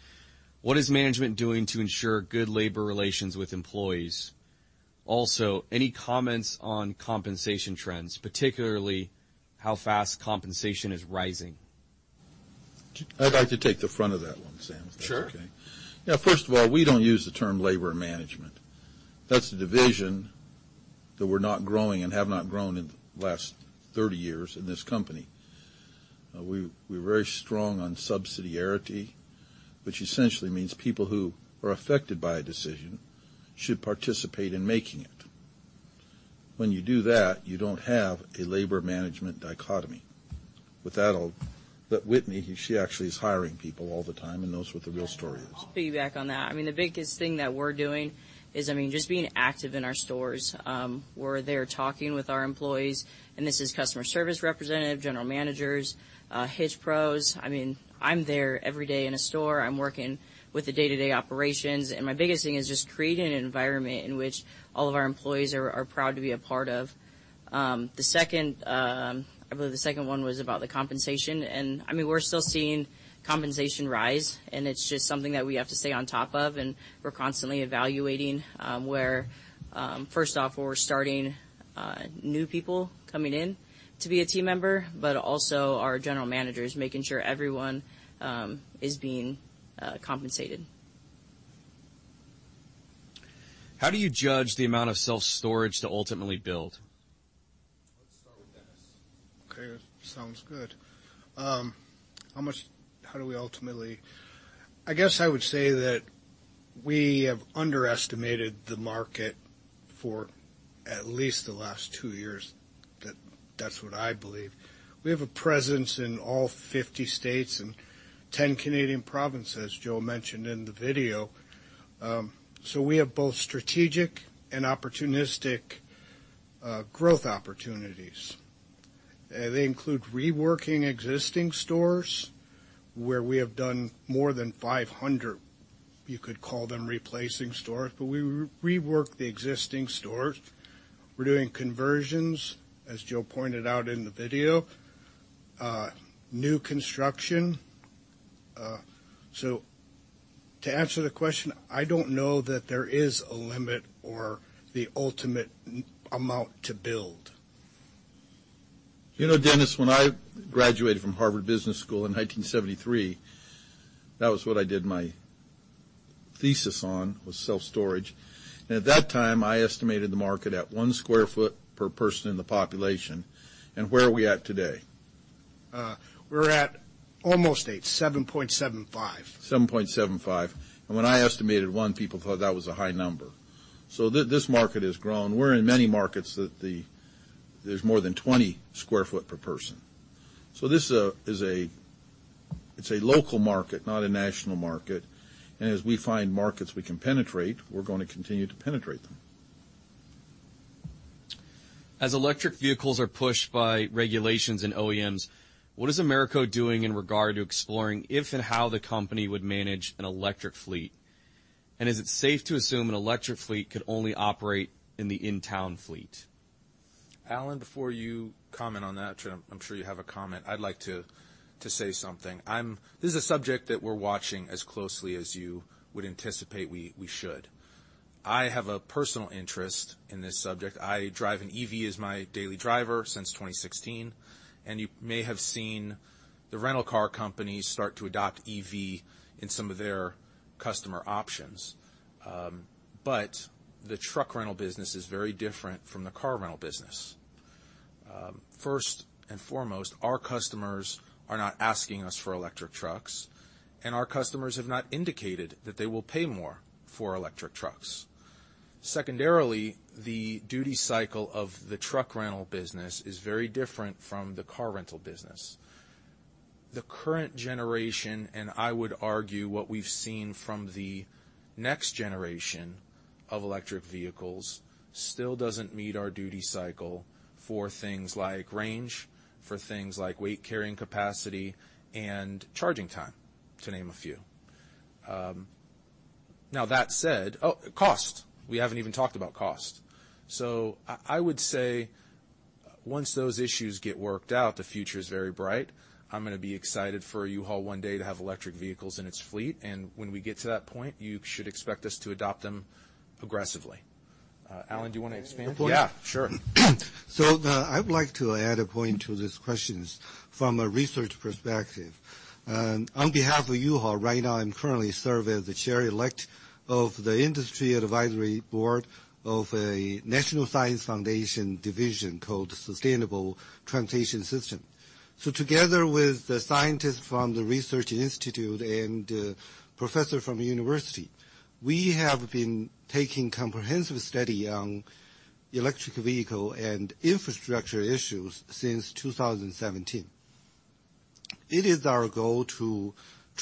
What is management doing to ensure good labor relations with employees? Also, any comments on compensation trends, particularly how fast compensation is rising. I'd like to take the front of that one, Sam, if that's okay. Sure. Yeah. First of all, we don't use the term labor management. That's the division that we're not growing and have not grown in the last 30 years in this company. We're very strong on subsidiarity, which essentially means people who are affected by a decision should participate in making it. When you do that, you don't have a labor management dichotomy. With that, Whitney, she actually is hiring people all the time and knows what the real story is. Yeah. I'll piggyback on that. I mean, the biggest thing that we're doing is, I mean, just being active in our stores. We're there talking with our employees, and this is customer service representative, general managers, Hitch Pros. I mean, I'm there every day in a store. I'm working with the day-to-day operations, and my biggest thing is just creating an environment in which all of our employees are proud to be a part of. I believe the second one was about the compensation, and I mean, we're still seeing compensation rise, and it's just something that we have to stay on top of, and we're constantly evaluating, first off, where we're starting new people coming in to be a team member, but also our general managers, making sure everyone is being compensated. How do you judge the amount of self-storage to ultimately build? Let's start with Dennis. Okay, sounds good. I guess I would say that we have underestimated the market for at least the last two years, but that's what I believe. We have a presence in all 50 states and 10 Canadian provinces, Joe mentioned in the video. We have both strategic and opportunistic growth opportunities. They include reworking existing stores where we have done more than 500. You could call them replacing stores, but we rework the existing stores. We're doing conversions, as Joe pointed out in the video, new construction. To answer the question, I don't know that there is a limit or the ultimate amount to build. You know, Dennis, when I graduated from Harvard Business School in 1973, that was what I did my thesis on, was self-storage. At that time, I estimated the market at 1 sq ft per person in the population. Where are we at today? We're at almost 8 sq ft, 7.75 sq ft. 7.75 sq ft. When I estimated 1 sq ft, people thought that was a high number. This market has grown. We're in many markets. There's more than 20 sq ft per person. This is a local market, not a national market. As we find markets we can penetrate, we're gonna continue to penetrate them. As electric vehicles are pushed by regulations and OEMs, what is AMERCO doing in regard to exploring if and how the company would manage an electric fleet? Is it safe to assume an electric fleet could only operate in the in-town fleet? Allan, before you comment on that, I'm sure you have a comment. I'd like to say something. This is a subject that we're watching as closely as you would anticipate we should. I have a personal interest in this subject. I drive an EV as my daily driver since 2016, and you may have seen the rental car companies start to adopt EV in some of their customer options. But the truck rental business is very different from the car rental business. First and foremost, our customers are not asking us for electric trucks, and our customers have not indicated that they will pay more for electric trucks. Secondarily, the duty cycle of the truck rental business is very different from the car rental business. The current generation, and I would argue what we've seen from the next generation of electric vehicles, still doesn't meet our duty cycle for things like range, for things like weight carrying capacity, and charging time, to name a few. Now, that said. Oh, cost. We haven't even talked about cost. I would say once those issues get worked out, the future is very bright. I'm gonna be excited for U-Haul one day to have electric vehicles in its fleet, and when we get to that point, you should expect us to adopt them aggressively. Allan, do you wanna expand? Yeah, sure. I would like to add a point to these questions from a research perspective. On behalf of U-Haul, right now I'm currently serve as the chair elect of the Industry Advisory Board of a National Science Foundation division called Sustainable Transportation Systems. Together with the scientists from the research institute and professor from the university, we have been taking comprehensive study on electric vehicle and infrastructure issues since 2017. It is our goal to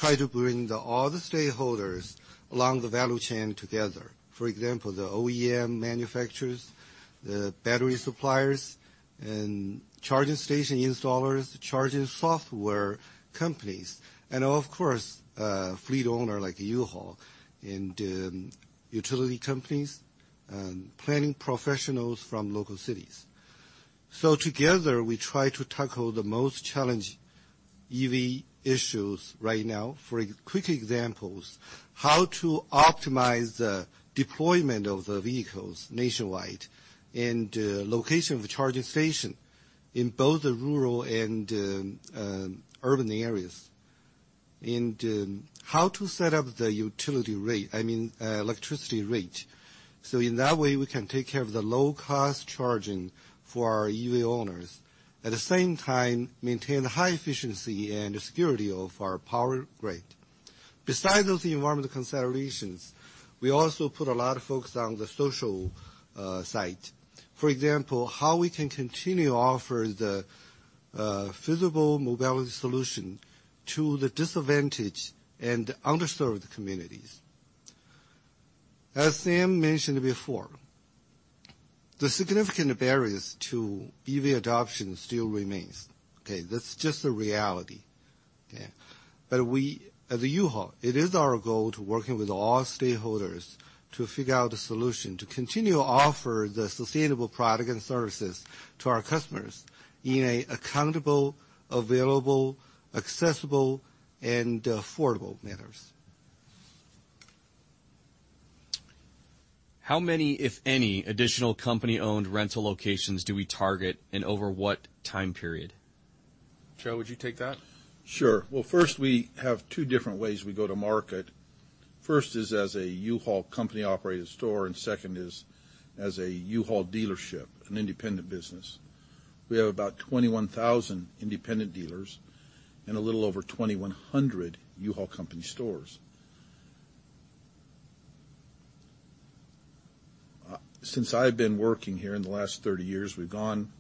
try to bring the all the stakeholders along the value chain together. For example, the OEM manufacturers, the battery suppliers, and charging station installers, charging software companies, and of course, fleet owner like U-Haul, and utility companies and planning professionals from local cities. Together, we try to tackle the most challenging EV issues right now. For quick examples, how to optimize the deployment of the vehicles nationwide and location of the charging station in both the rural and urban areas. How to set up the electricity rate, so in that way, we can take care of the low cost charging for our EV owners. At the same time, maintain high efficiency and security of our power grid. Besides those environmental considerations, we also put a lot of focus on the social side. For example, how we can continue offer the feasible mobility solution to the disadvantaged and underserved communities. As Sam mentioned before, the significant barriers to EV adoption still remains, okay? That's just the reality. Okay. We, at U-Haul, it is our goal to work with all stakeholders to figure out a solution to continue to offer the sustainable products and services to our customers in an accountable, available, accessible and affordable manner. How many, if any, additional company-owned rental locations do we target, and over what time period? Joe, would you take that? Sure. Well, first, we have two different ways we go to market. First is as a U-Haul company-operated store, and second is as a U-Haul dealership, an independent business. We have about 21,000 independent dealers and a little over 2,100 U-Haul company stores. Since I've been working here in the last 30 years, we've gone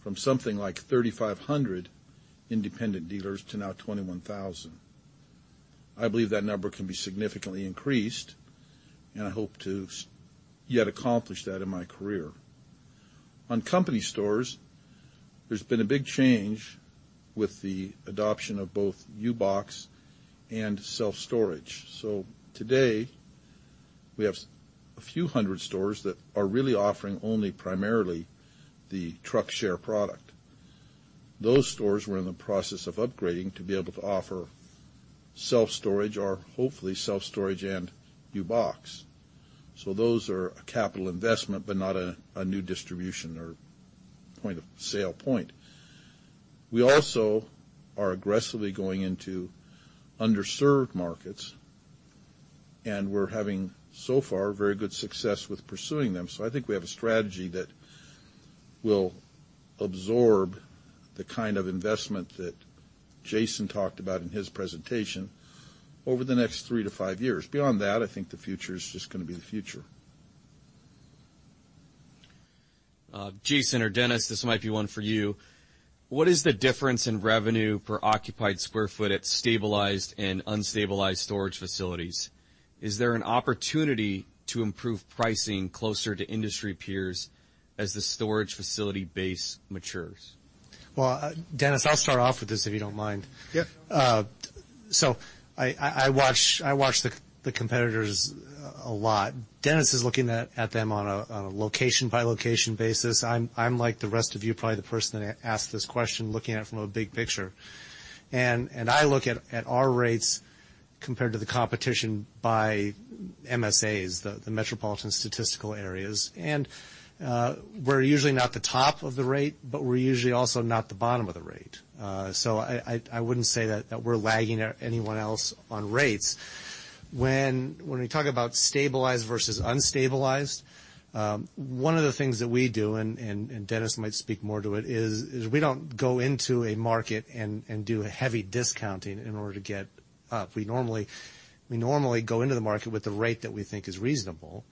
from something like 3,500 independent dealers to now 21,000. I believe that number can be significantly increased, and I hope to yet accomplish that in my career. On company stores, there's been a big change with the adoption of both U-Box and self-storage. Today, we have a few hundred stores that are really offering only primarily the truck share product. Those stores we're in the process of upgrading to be able to offer self-storage or, hopefully, self-storage and U-Box. Those are a capital investment, but not a new distribution or point of sale point. We also are aggressively going into underserved markets, and we're having, so far, very good success with pursuing them. I think we have a strategy that will absorb the kind of investment that Jason talked about in his presentation over the next three to five years. Beyond that, I think the future is just gonna be the future. Jason or Dennis, this might be one for you. What is the difference in revenue per occupied square foot at stabilized and unstabilized storage facilities? Is there an opportunity to improve pricing closer to industry peers as the storage facility base matures? Well, Dennis, I'll start off with this if you don't mind. Yep. I watch the competitors a lot. Dennis is looking at them on a location-by-location basis. I'm like the rest of you, probably the person that asked this question, looking at it from a big picture. I look at our rates compared to the competition by MSAs, the metropolitan statistical areas. We're usually not the top of the rate, but we're usually also not the bottom of the rate. I wouldn't say that we're lagging or anyone else on rates. When we talk about stabilized versus unstabilized, one of the things that we do, and Dennis might speak more to it, is we don't go into a market and do heavy discounting in order to get up. We normally go into the market with the rate that we think is reasonable.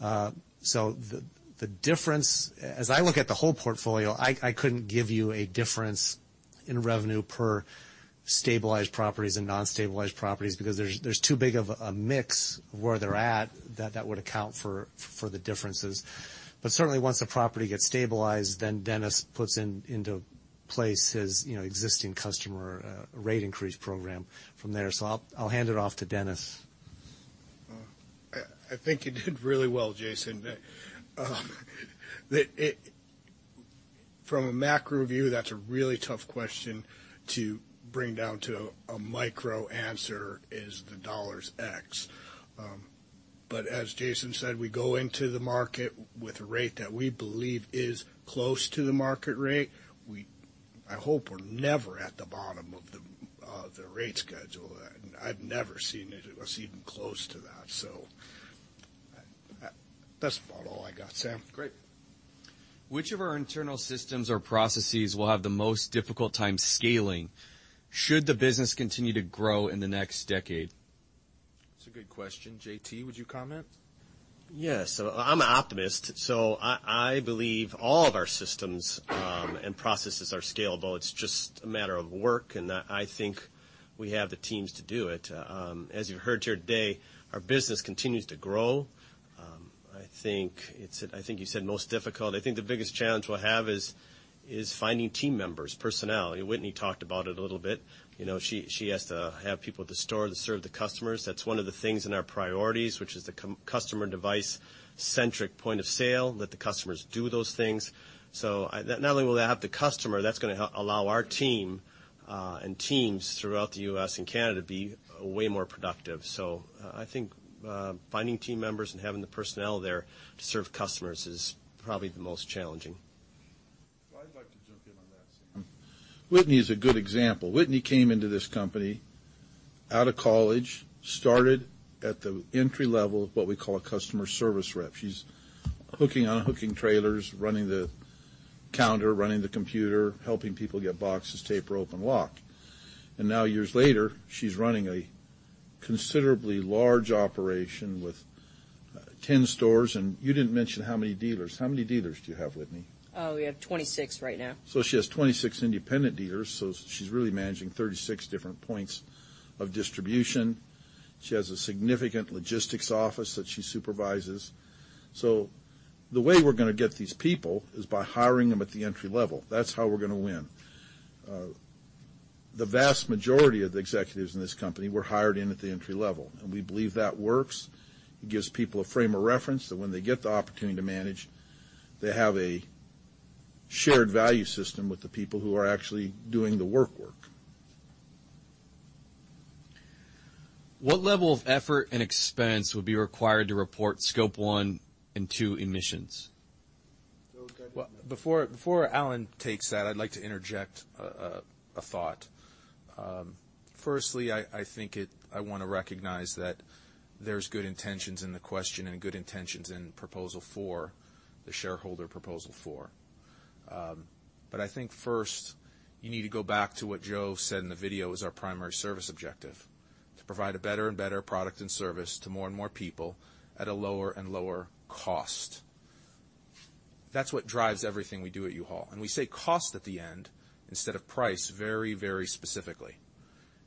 The difference, as I look at the whole portfolio, I couldn't give you a difference in revenue per stabilized properties and non-stabilized properties because there's too big of a mix of where they're at that would account for the differences. Certainly, once the property gets stabilized, Dennis puts into place his you know existing customer rate increase program from there. I'll hand it off to Dennis. Well, I think you did really well, Jason. From a macro view, that's a really tough question to bring down to a micro answer is the dollars X. As Jason said, we go into the market with a rate that we believe is close to the market rate. I hope we're never at the bottom of the rate schedule. I've never seen it was even close to that. That's about all I got, Sam. Great. Which of our internal systems or processes will have the most difficult time scaling should the business continue to grow in the next decade? That's a good question. JT, would you comment? Yes. I'm an optimist, so I believe all of our systems, and processes are scalable. It's just a matter of work, and I think we have the teams to do it. As you've heard here today, our business continues to grow. I think you said most difficult. I think the biggest challenge we'll have is finding team members, personnel. Whitney talked about it a little bit. You know, she has to have people at the store to serve the customers. That's one of the things in our priorities, which is the customer device centric point of sale, let the customers do those things. Not only will that help the customer, that's gonna allow our team and teams throughout the U.S. and Canada be way more productive. I think finding team members and having the personnel there to serve customers is probably the most challenging. I'd like to jump in on that, Sam. Whitney is a good example. Whitney came into this company out of college, started at the entry-level of what we call a customer service rep. She's hooking, unhooking trailers, running the counter, running the computer, helping people get boxes, tape, rope, and lock. Now, years later, she's running a considerably large operation with 10 stores, and you didn't mention how many dealers. How many dealers do you have, Whitney? We have 26 right now. She has 26 independent dealers, she's really managing 36 different points of distribution. She has a significant logistics office that she supervises. The way we're gonna get these people is by hiring them at the entry-level. That's how we're gonna win. The vast majority of the executives in this company were hired in at the entry-level, and we believe that works. It gives people a frame of reference that when they get the opportunity to manage, they have a shared value system with the people who are actually doing the work. What level of effort and expense would be required to report Scope 1 and Scope 2 emissions? Before Allan takes that, I'd like to interject a thought. Firstly, I think I wanna recognize that there's good intentions in the question and good intentions in Proposal 4, the shareholder Proposal 4. I think first you need to go back to what Joe said in the video is our Primary Service Objective: to provide a better and better product and service to more and more people at a lower and lower cost. That's what drives everything we do at U-Haul, and we say cost at the end instead of price very, very specifically.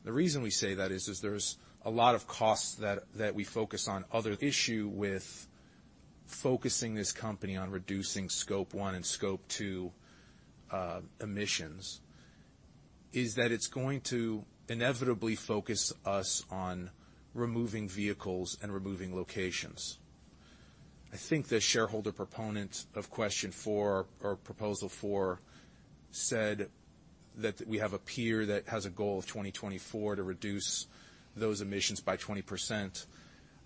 The reason we say that is there's a lot of costs that we focus on. Other issue with focusing this company on reducing Scope 1 and Scope 2 emissions is that it's going to inevitably focus us on removing vehicles and removing locations. I think the shareholder proponent of question four or Proposal 4 said that we have a peer that has a goal of 2024 to reduce those emissions by 20%.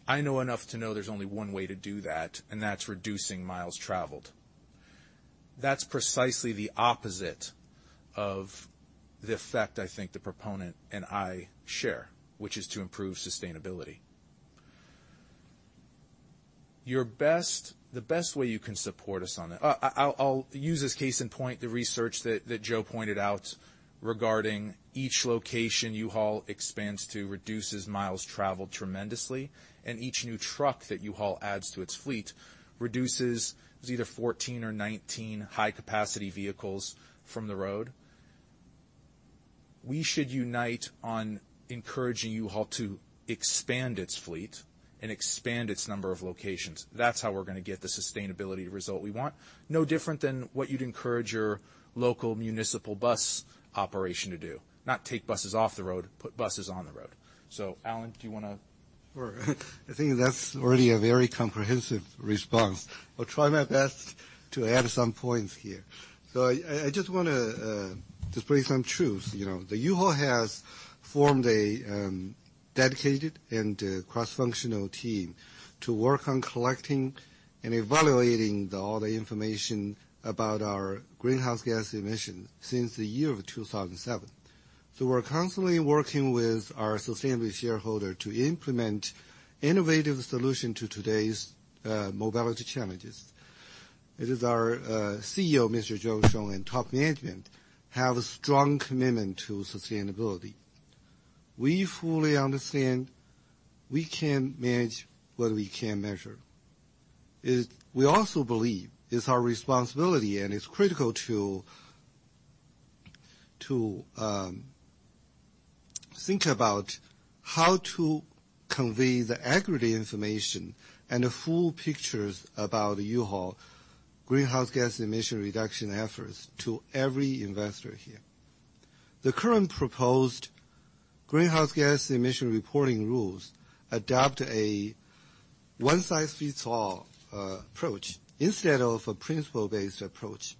I know enough to know there's only one way to do that, and that's reducing miles traveled. That's precisely the opposite of the effect I think the proponent and I share, which is to improve sustainability. The best way you can support us on that. I'll use as case in point the research that Joe pointed out regarding each location U-Haul expands to reduces miles traveled tremendously, and each new truck that U-Haul adds to its fleet reduces either 14 or 19 high-capacity vehicles from the road. We should unite on encouraging U-Haul to expand its fleet and expand its number of locations. That's how we're gonna get the sustainability result we want, no different than what you'd encourage your local municipal bus operation to do, not take buses off the road, put buses on the road. Allan, do you wanna? Sure. I think that's already a very comprehensive response. I'll try my best to add some points here. I just wanna display some truth. You know, U-Haul has formed a dedicated and cross-functional team to work on collecting and evaluating all the information about our greenhouse gas emissions since 2007. We're constantly working with our sustainability shareholder to implement innovative solution to today's mobility challenges. It is our CEO, Mr. Joe Shoen and top management have a strong commitment to sustainability. We fully understand we can't manage what we can't measure. We also believe it's our responsibility and it's critical to think about how to convey the accurate information and the full picture about U-Haul greenhouse gas emission reduction efforts to every investor here. The current proposed greenhouse gas emission reporting rules adopt a one-size-fits-all approach instead of a principle-based approach.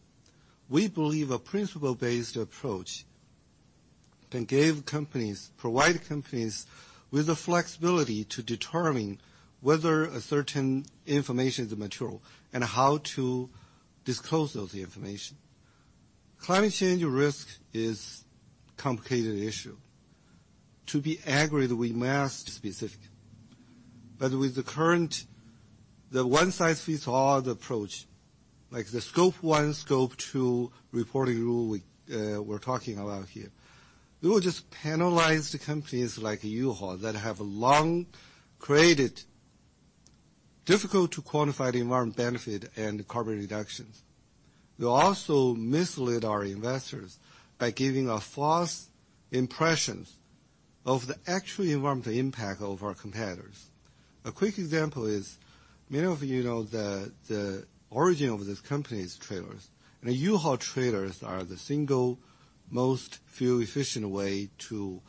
We believe a principle-based approach can give companies, provide companies with the flexibility to determine whether a certain information is material and how to disclose those information. Climate change risk is complicated issue. To be accurate, we must be specific. With the one-size-fits-all approach, like the Scope 1, Scope 2 reporting rule we're talking about here, we will just penalize the companies like U-Haul that have long created difficult to quantify the environmental benefit and carbon reductions. We also mislead our investors by giving a false impressions of the actual environmental impact of our competitors. A quick example is many of you know the origin of this company's trailers. Now, U-Haul trailers are the single most fuel-efficient way to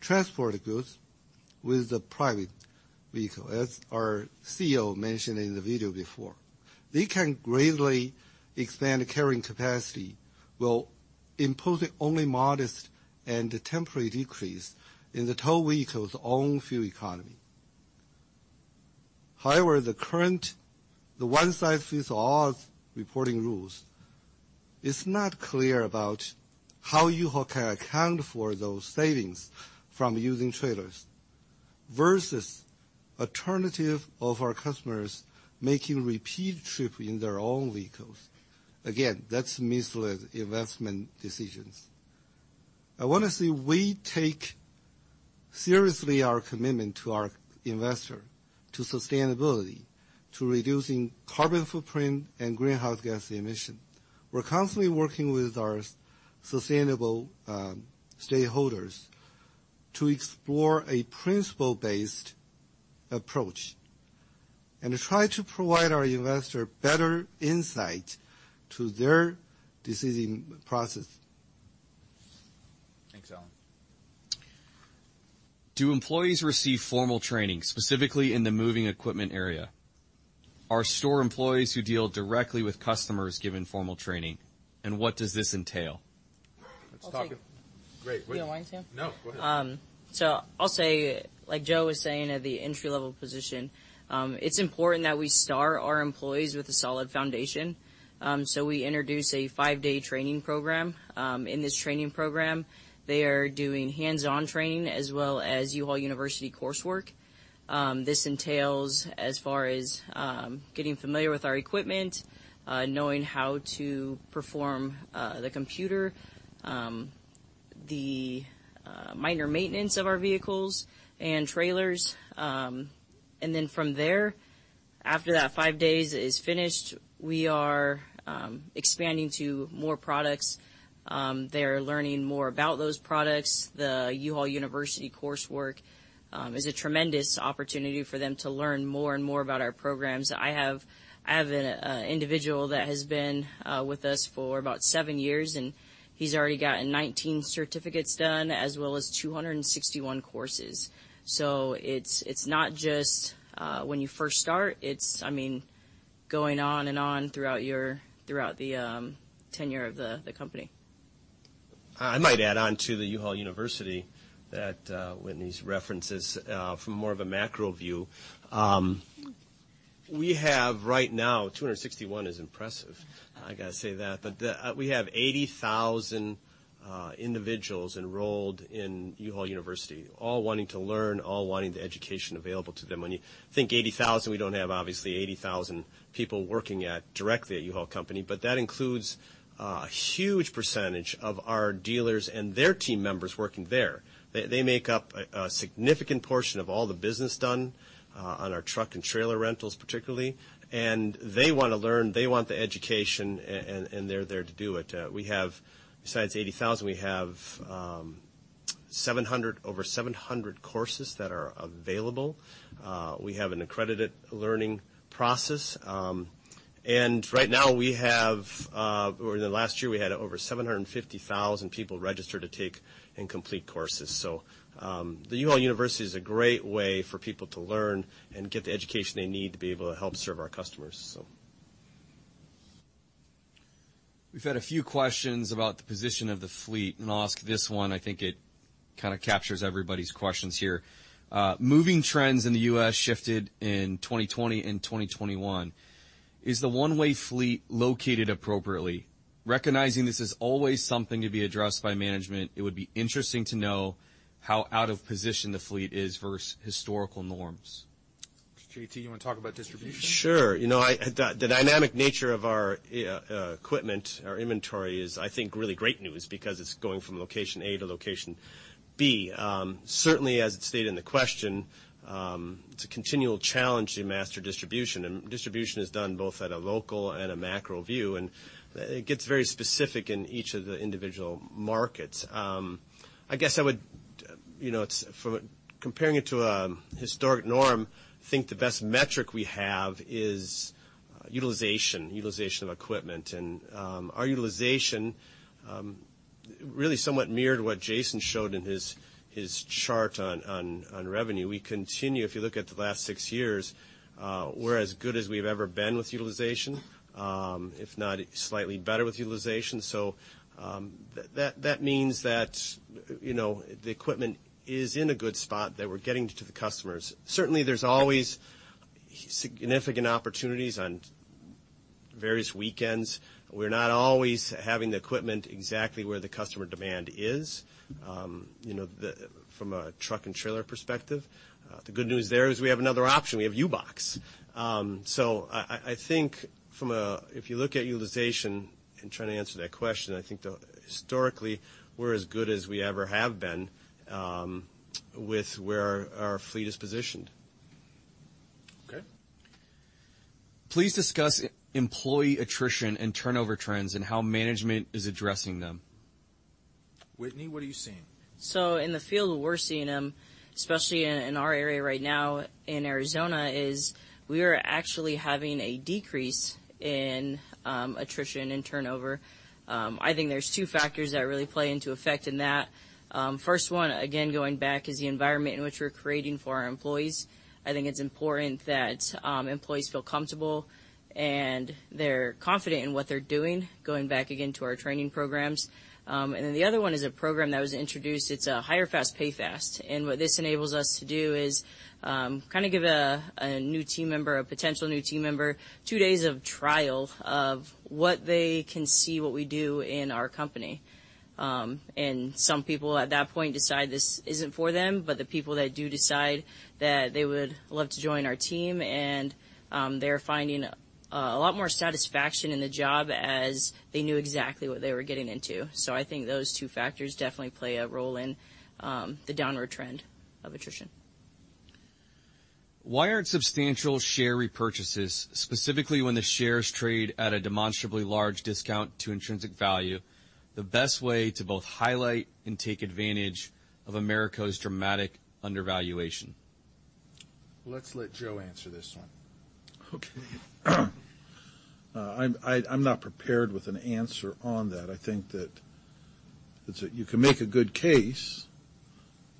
transport goods with a private vehicle, as our CEO mentioned in the video before. They can greatly expand the carrying capacity, while imposing only modest and temporary decrease in the tow vehicle's own fuel economy. However, the one-size-fits-all reporting rules is not clear about how U-Haul can account for those savings from using trailers versus alternative of our customers making repeat trip in their own vehicles. Again, that's misleads investment decisions. I want to say we take seriously our commitment to our investor, to sustainability, to reducing carbon footprint and greenhouse gas emission. We're constantly working with our sustainable stakeholders to explore a principle-based approach and to try to provide our investor better insight to their decision process. Thanks, Allan. Do employees receive formal training, specifically in the moving equipment area? Are store employees who deal directly with customers given formal training, and what does this entail? Let's talk. I'll take. Great. You don't mind, Sam? No, go ahead. I'll say, like Joe was saying, at the entry-level position, it's important that we start our employees with a solid foundation. We introduce a five-day training program. In this training program, they are doing hands-on training as well as U-Haul University coursework. This entails as far as getting familiar with our equipment, knowing how to perform the computer, the minor maintenance of our vehicles and trailers. From there, after that five days is finished, we are expanding to more products. They're learning more about those products. The U-Haul University coursework is a tremendous opportunity for them to learn more and more about our programs. I have an individual that has been with us for about 7 years, and he's already gotten 19 certificates done, as well as 261 courses. It's not just when you first start. I mean, going on and on throughout the tenure of the company. I might add on to the U-Haul University that Whitney references from more of a macro view. We have right now, 261 is impressive, I gotta say that. We have 80,000 individuals enrolled in U-Haul University, all wanting to learn, all wanting the education available to them. When you think 80,000, we don't have obviously 80,000 people working at, directly at U-Haul Company, but that includes a huge percentage of our dealers and their team members working there. They make up a significant portion of all the business done on our truck and trailer rentals particularly. They wanna learn, they want the education, and they're there to do it. We have, besides 80,000, we have over 700 courses that are available. We have an accredited learning process. Right now we have, or in the last year, we had over 750,000 people registered to take and complete courses. The U-Haul University is a great way for people to learn and get the education they need to be able to help serve our customers. We've had a few questions about the position of the fleet. I'll ask this one, I think it kind of captures everybody's questions here. Moving trends in the U.S. shifted in 2020 and 2021. Is the one-way fleet located appropriately? Recognizing this is always something to be addressed by management, it would be interesting to know how out of position the fleet is versus historical norms. JT, you want to talk about distribution? Sure. You know, the dynamic nature of our equipment, our inventory is, I think, really great news because it's going from location A to location B. Certainly as it's stated in the question, it's a continual challenge to master distribution, and distribution is done both at a local and a macro view, and it gets very specific in each of the individual markets. I guess I would, you know, it's from comparing it to a historic norm, I think the best metric we have is utilization of equipment. Our utilization really somewhat mirrored what Jason showed in his chart on revenue. We continue, if you look at the last six years, we're as good as we've ever been with utilization, if not slightly better with utilization. That means that, you know, the equipment is in a good spot, that we're getting to the customers. Certainly, there's always significant opportunities on various weekends. We're not always having the equipment exactly where the customer demand is, you know, from a truck and trailer perspective. The good news there is we have another option. We have U-Box. I think if you look at utilization, in trying to answer that question, I think historically, we're as good as we ever have been, with where our fleet is positioned. Okay. Please discuss employee attrition and turnover trends and how management is addressing them? Whitney, what are you seeing? In the field, we're seeing, especially in our area right now in Arizona, is we are actually having a decrease in attrition and turnover. I think there's two factors that really play into effect in that. First one, again, going back, is the environment in which we're creating for our employees. I think it's important that employees feel comfortable and they're confident in what they're doing, going back again to our training programs. The other one is a program that was introduced. It's Hire Fast, Pay Fast. What this enables us to do is kinda give a new team member, a potential new team member, two days of trial of what they can see what we do in our company. Some people at that point decide this isn't for them, but the people that do decide that they would love to join our team and, they're finding a lot more satisfaction in the job as they knew exactly what they were getting into. I think those two factors definitely play a role in the downward trend of attrition. Why aren't substantial share repurchases, specifically when the shares trade at a demonstrably large discount to intrinsic value, the best way to both highlight and take advantage of AMERCO's dramatic undervaluation? Let's let Joe answer this one. I'm not prepared with an answer on that. I think that it's, you can make a good case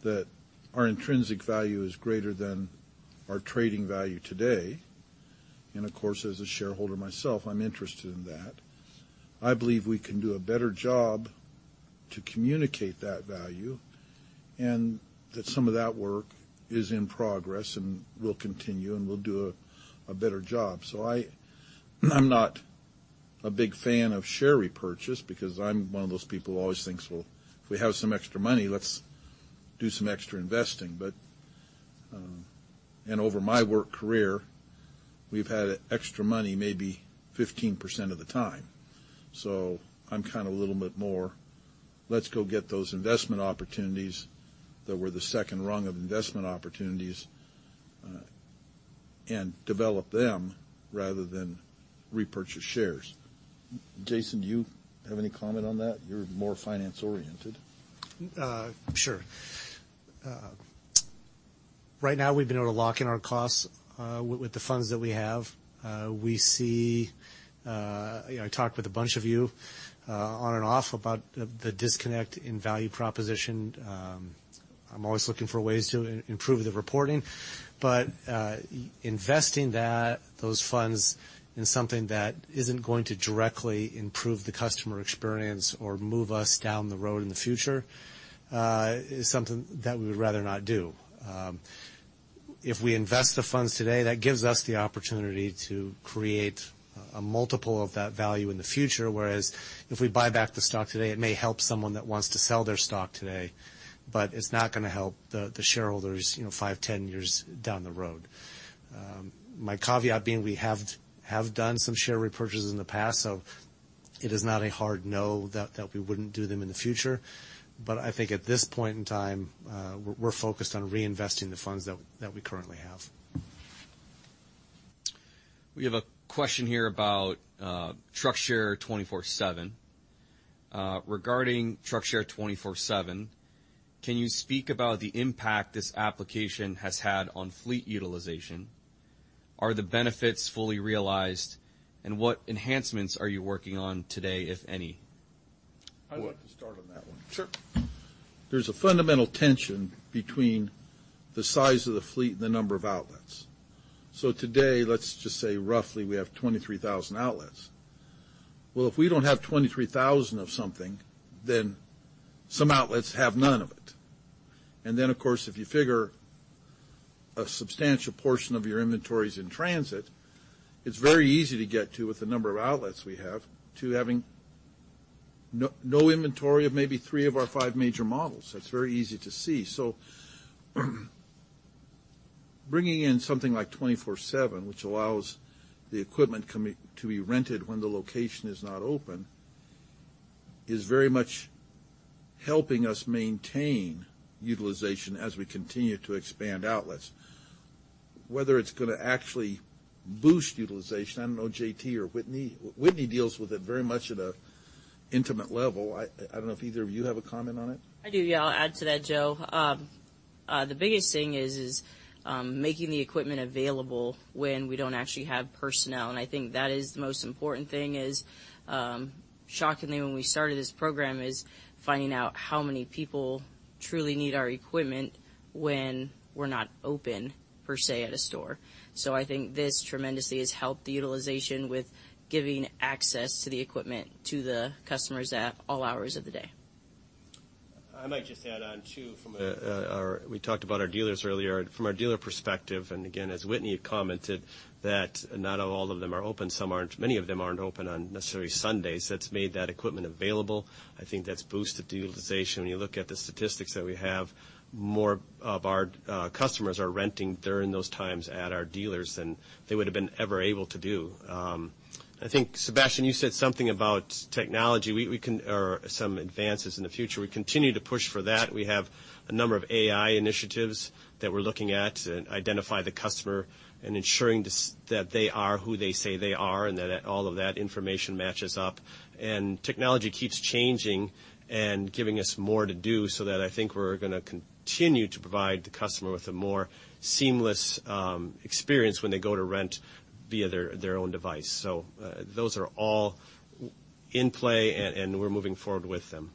that our intrinsic value is greater than our trading value today. Of course, as a shareholder myself, I'm interested in that. I believe we can do a better job to communicate that value, and that some of that work is in progress, and we'll continue, and we'll do a better job. I'm not a big fan of share repurchase because I'm one of those people who always thinks, "Well, if we have some extra money, let's do some extra investing." Over my work career, we've had extra money maybe 15% of the time. I'm kinda a little bit more, "Let's go get those investment opportunities that were the second rung of investment opportunities, and develop them rather than repurchase shares." Jason, do you have any comment on that? You're more finance-oriented. Sure. Right now we've been able to lock in our costs with the funds that we have. We see, you know, I talked with a bunch of you on and off about the disconnect in value proposition. I'm always looking for ways to improve the reporting. Investing those funds in something that isn't going to directly improve the customer experience or move us down the road in the future is something that we would rather not do. If we invest the funds today, that gives us the opportunity to create a multiple of that value in the future. Whereas if we buy back the stock today, it may help someone that wants to sell their stock today, but it's not gonna help the shareholders, you know, five, 10 years down the road. My caveat being we have done some share repurchases in the past, so it is not a hard no that we wouldn't do them in the future. I think at this point in time, we're focused on reinvesting the funds that we currently have. We have a question here about Truck Share 24/7. Regarding Truck Share 24/7, can you speak about the impact this application has had on fleet utilization? Are the benefits fully realized? What enhancements are you working on today, if any? I'd like to start on that one. Sure. There's a fundamental tension between the size of the fleet and the number of outlets. Today, let's just say roughly we have 23,000 outlets. Well, if we don't have 23,000 of something, then some outlets have none of it. Then, of course, if you figure a substantial portion of your inventory's in transit, it's very easy to get to with the number of outlets we have to having no inventory of maybe three of our five major models. That's very easy to see. Bringing in something like 24/7, which allows the equipment to be rented when the location is not open, is very much helping us maintain utilization as we continue to expand outlets. Whether it's gonna actually boost utilization, I don't know, JT or Whitney. Whitney deals with it very much at a intimate level. I don't know if either of you have a comment on it. I do, yeah. I'll add to that, Joe. The biggest thing is making the equipment available when we don't actually have personnel, and I think that is the most important thing is shockingly, when we started this program, finding out how many people truly need our equipment when we're not open, per se, at a store. I think this tremendously has helped the utilization with giving access to the equipment to the customers at all hours of the day. I might just add on, too, from our, we talked about our dealers earlier. From our dealer perspective, and again, as Whitney had commented, that not all of them are open, some aren't. Many of them aren't open on necessarily Sundays. That's made that equipment available. I think that's boosted the utilization. When you look at the statistics that we have, more of our customers are renting during those times at our dealers than they would have been ever able to do. I think, Sebastien, you said something about technology. We can or some advances in the future. We continue to push for that. We have a number of AI initiatives that we're looking at to identify the customer and ensuring that they are who they say they are and that all of that information matches up. Technology keeps changing and giving us more to do so that I think we're gonna continue to provide the customer with a more seamless experience when they go to rent via their own device. Those are all in play and we're moving forward with them.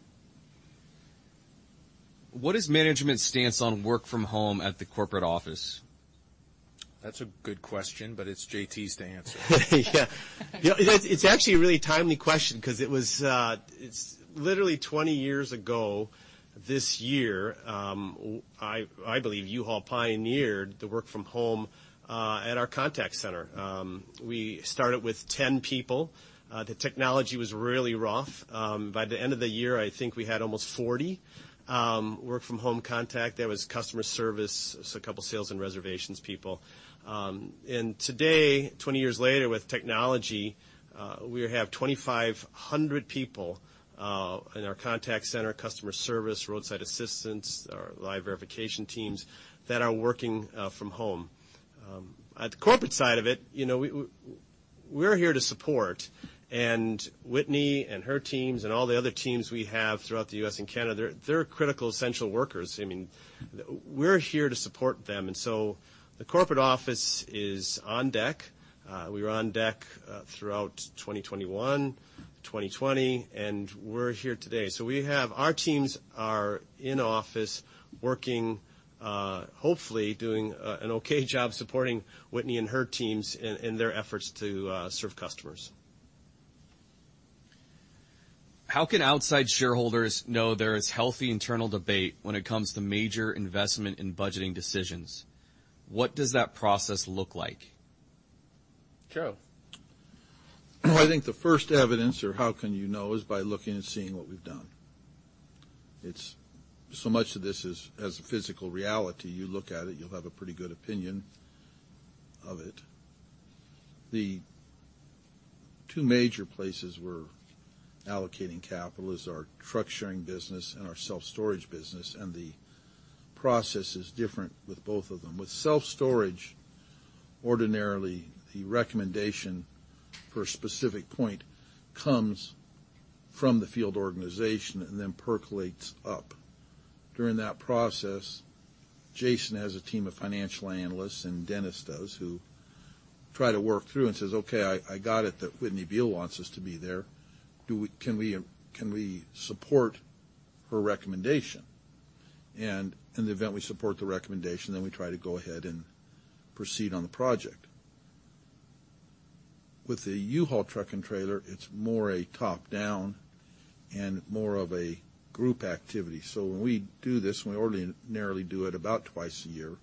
What is management's stance on work from home at the corporate office? That's a good question, but it's JT's to answer. Yeah. You know, it's actually a really timely question 'cause it's literally 20 years ago this year, I believe U-Haul pioneered the work-from-home at our contact center. We started with 10 people. The technology was really rough. By the end of the year, I think we had almost 40 work-from-home contact. There was customer service, a couple sales and reservations people. Today, 20 years later, with technology, we have 2,500 people in our contact center, customer service, roadside assistance, our live verification teams that are working from home. At the corporate side of it, you know, we're here to support. Whitney and her teams and all the other teams we have throughout the U.S. and Canada, they're critical essential workers. I mean, we're here to support them. The corporate office is on deck. We were on deck throughout 2021, 2020, and we're here today. Our teams are in office working, hopefully doing an okay job supporting Whitney and her teams in their efforts to serve customers. How can outside shareholders know there is healthy internal debate when it comes to major investment in budgeting decisions? What does that process look like? Joe? I think the first evidence or how can you know is by looking and seeing what we've done. It's so much of this is as a physical reality. You look at it, you'll have a pretty good opinion of it. The two major places we're allocating capital is our truck sharing business and our self-storage business, and the process is different with both of them. With self-storage, ordinarily, the recommendation for a specific point comes from the field organization and then percolates up. During that process, Jason has a team of financial analysts, and Dennis does, who try to work through and says, "Okay, I got it, that Whitney Beall wants us to be there. Can we support her recommendation?" In the event we support the recommendation, then we try to go ahead and proceed on the project. With the U-Haul truck and trailer, it's more a top-down and more of a group activity. When we do this, we ordinarily do it about twice a year,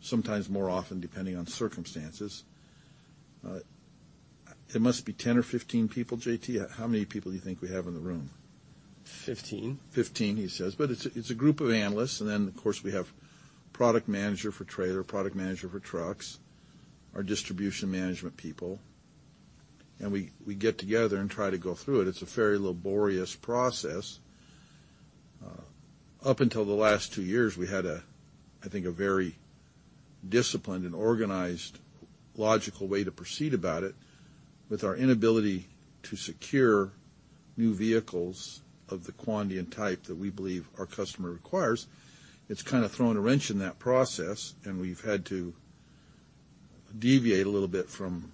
sometimes more often, depending on circumstances. It must be 10 or 15 people, JT. How many people do you think we have in the room? 15. 15, he says. It's a group of analysts, and then, of course, we have product manager for trailer, product manager for trucks, our distribution management people. We get together and try to go through it. It's a very laborious process. Up until the last two years, we had, I think, a very disciplined and organized, logical way to proceed about it. With our inability to secure new vehicles of the quantity and type that we believe our customer requires, it's kinda thrown a wrench in that process, and we've had to deviate a little bit from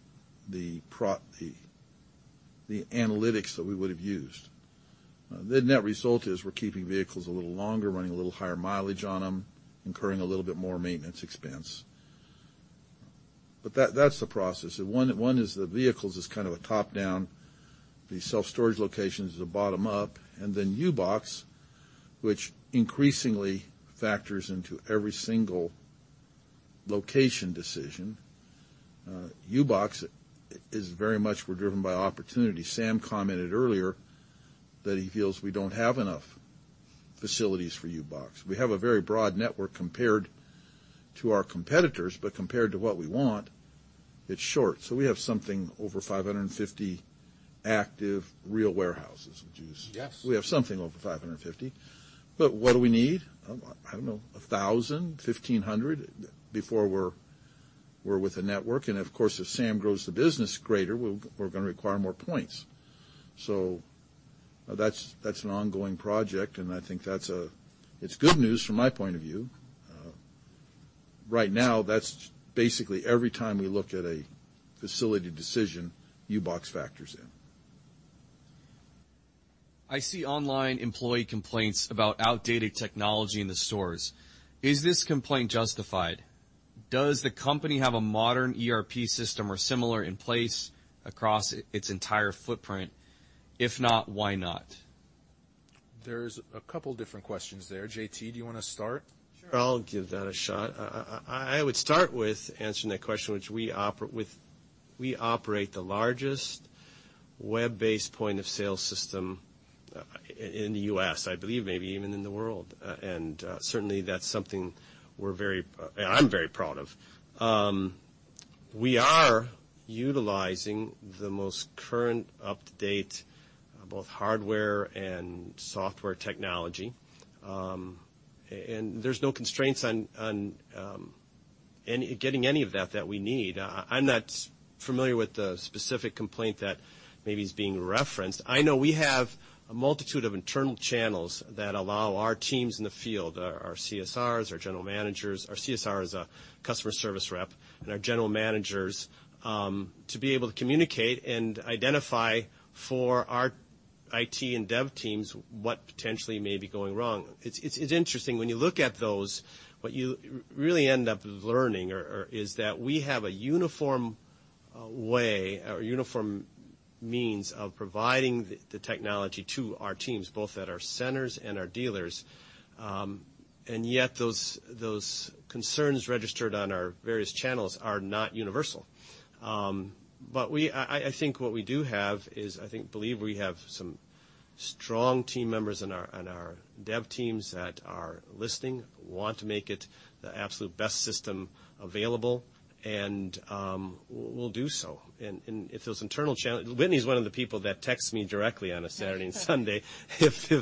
the analytics that we would've used. The net result is we're keeping vehicles a little longer, running a little higher mileage on them, incurring a little bit more maintenance expense. That's the process. One is the vehicles is kind of a top-down. The self-storage locations is a bottom-up. Then U-Box, which increasingly factors into every single location decision. U-Box is very much we're driven by opportunity. Sam commented earlier that he feels we don't have enough facilities for U-Box. We have a very broad network compared to our competitors, but compared to what we want, it's short. We have something over 550 active real warehouses, which is- Yes. We have something over 550. What do we need? I don't know, 1,000, 1,500 before we're with a network. Of course, as Sam grows the business greater, we're gonna require more points. That's an ongoing project, and I think that's, it's good news from my point of view. Right now, that's basically every time we look at a facility decision, U-Box factors in. I see online employee complaints about outdated technology in the stores. Is this complaint justified? Does the company have a modern ERP system or similar in place across its entire footprint? If not, why not? There's a couple different questions there. JT, do you wanna start? Sure, I'll give that a shot. I would start with answering that question, which we operate the largest web-based point of sale system in the U.S., I believe maybe even in the world. Certainly that's something I'm very proud of. We are utilizing the most current up-to-date both hardware and software technology. And there's no constraints on getting any of that that we need. I'm not familiar with the specific complaint that maybe is being referenced. I know we have a multitude of internal channels that allow our teams in the field, our CSRs, our general managers, our CSR is a customer service rep, and our general managers to be able to communicate and identify for our IT and dev teams what potentially may be going wrong. It's interesting, when you look at those, what you really end up learning is that we have a uniform way or uniform means of providing the technology to our teams, both at our centers and our dealers. Yet those concerns registered on our various channels are not universal. I think what we do have is, I believe we have some strong team members on our dev teams that are listening, want to make it the absolute best system available, and we'll do so. If those internal channels, Whitney is one of the people that texts me directly on a Saturday and Sunday if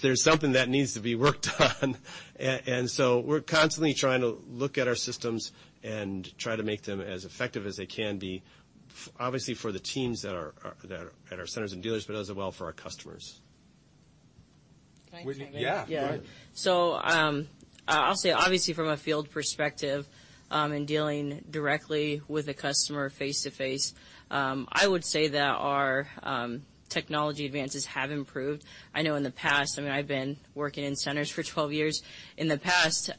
there's something that needs to be worked on. We're constantly trying to look at our systems and try to make them as effective as they can be, obviously for the teams that are at our centers and dealers, but as well for our customers. Can I chime in? Yeah. Go ahead. I'll say obviously from a field perspective, in dealing directly with a customer face-to-face, I would say that our technology advances have improved. I know in the past, I mean, I've been working in centers for 12 years. In the past,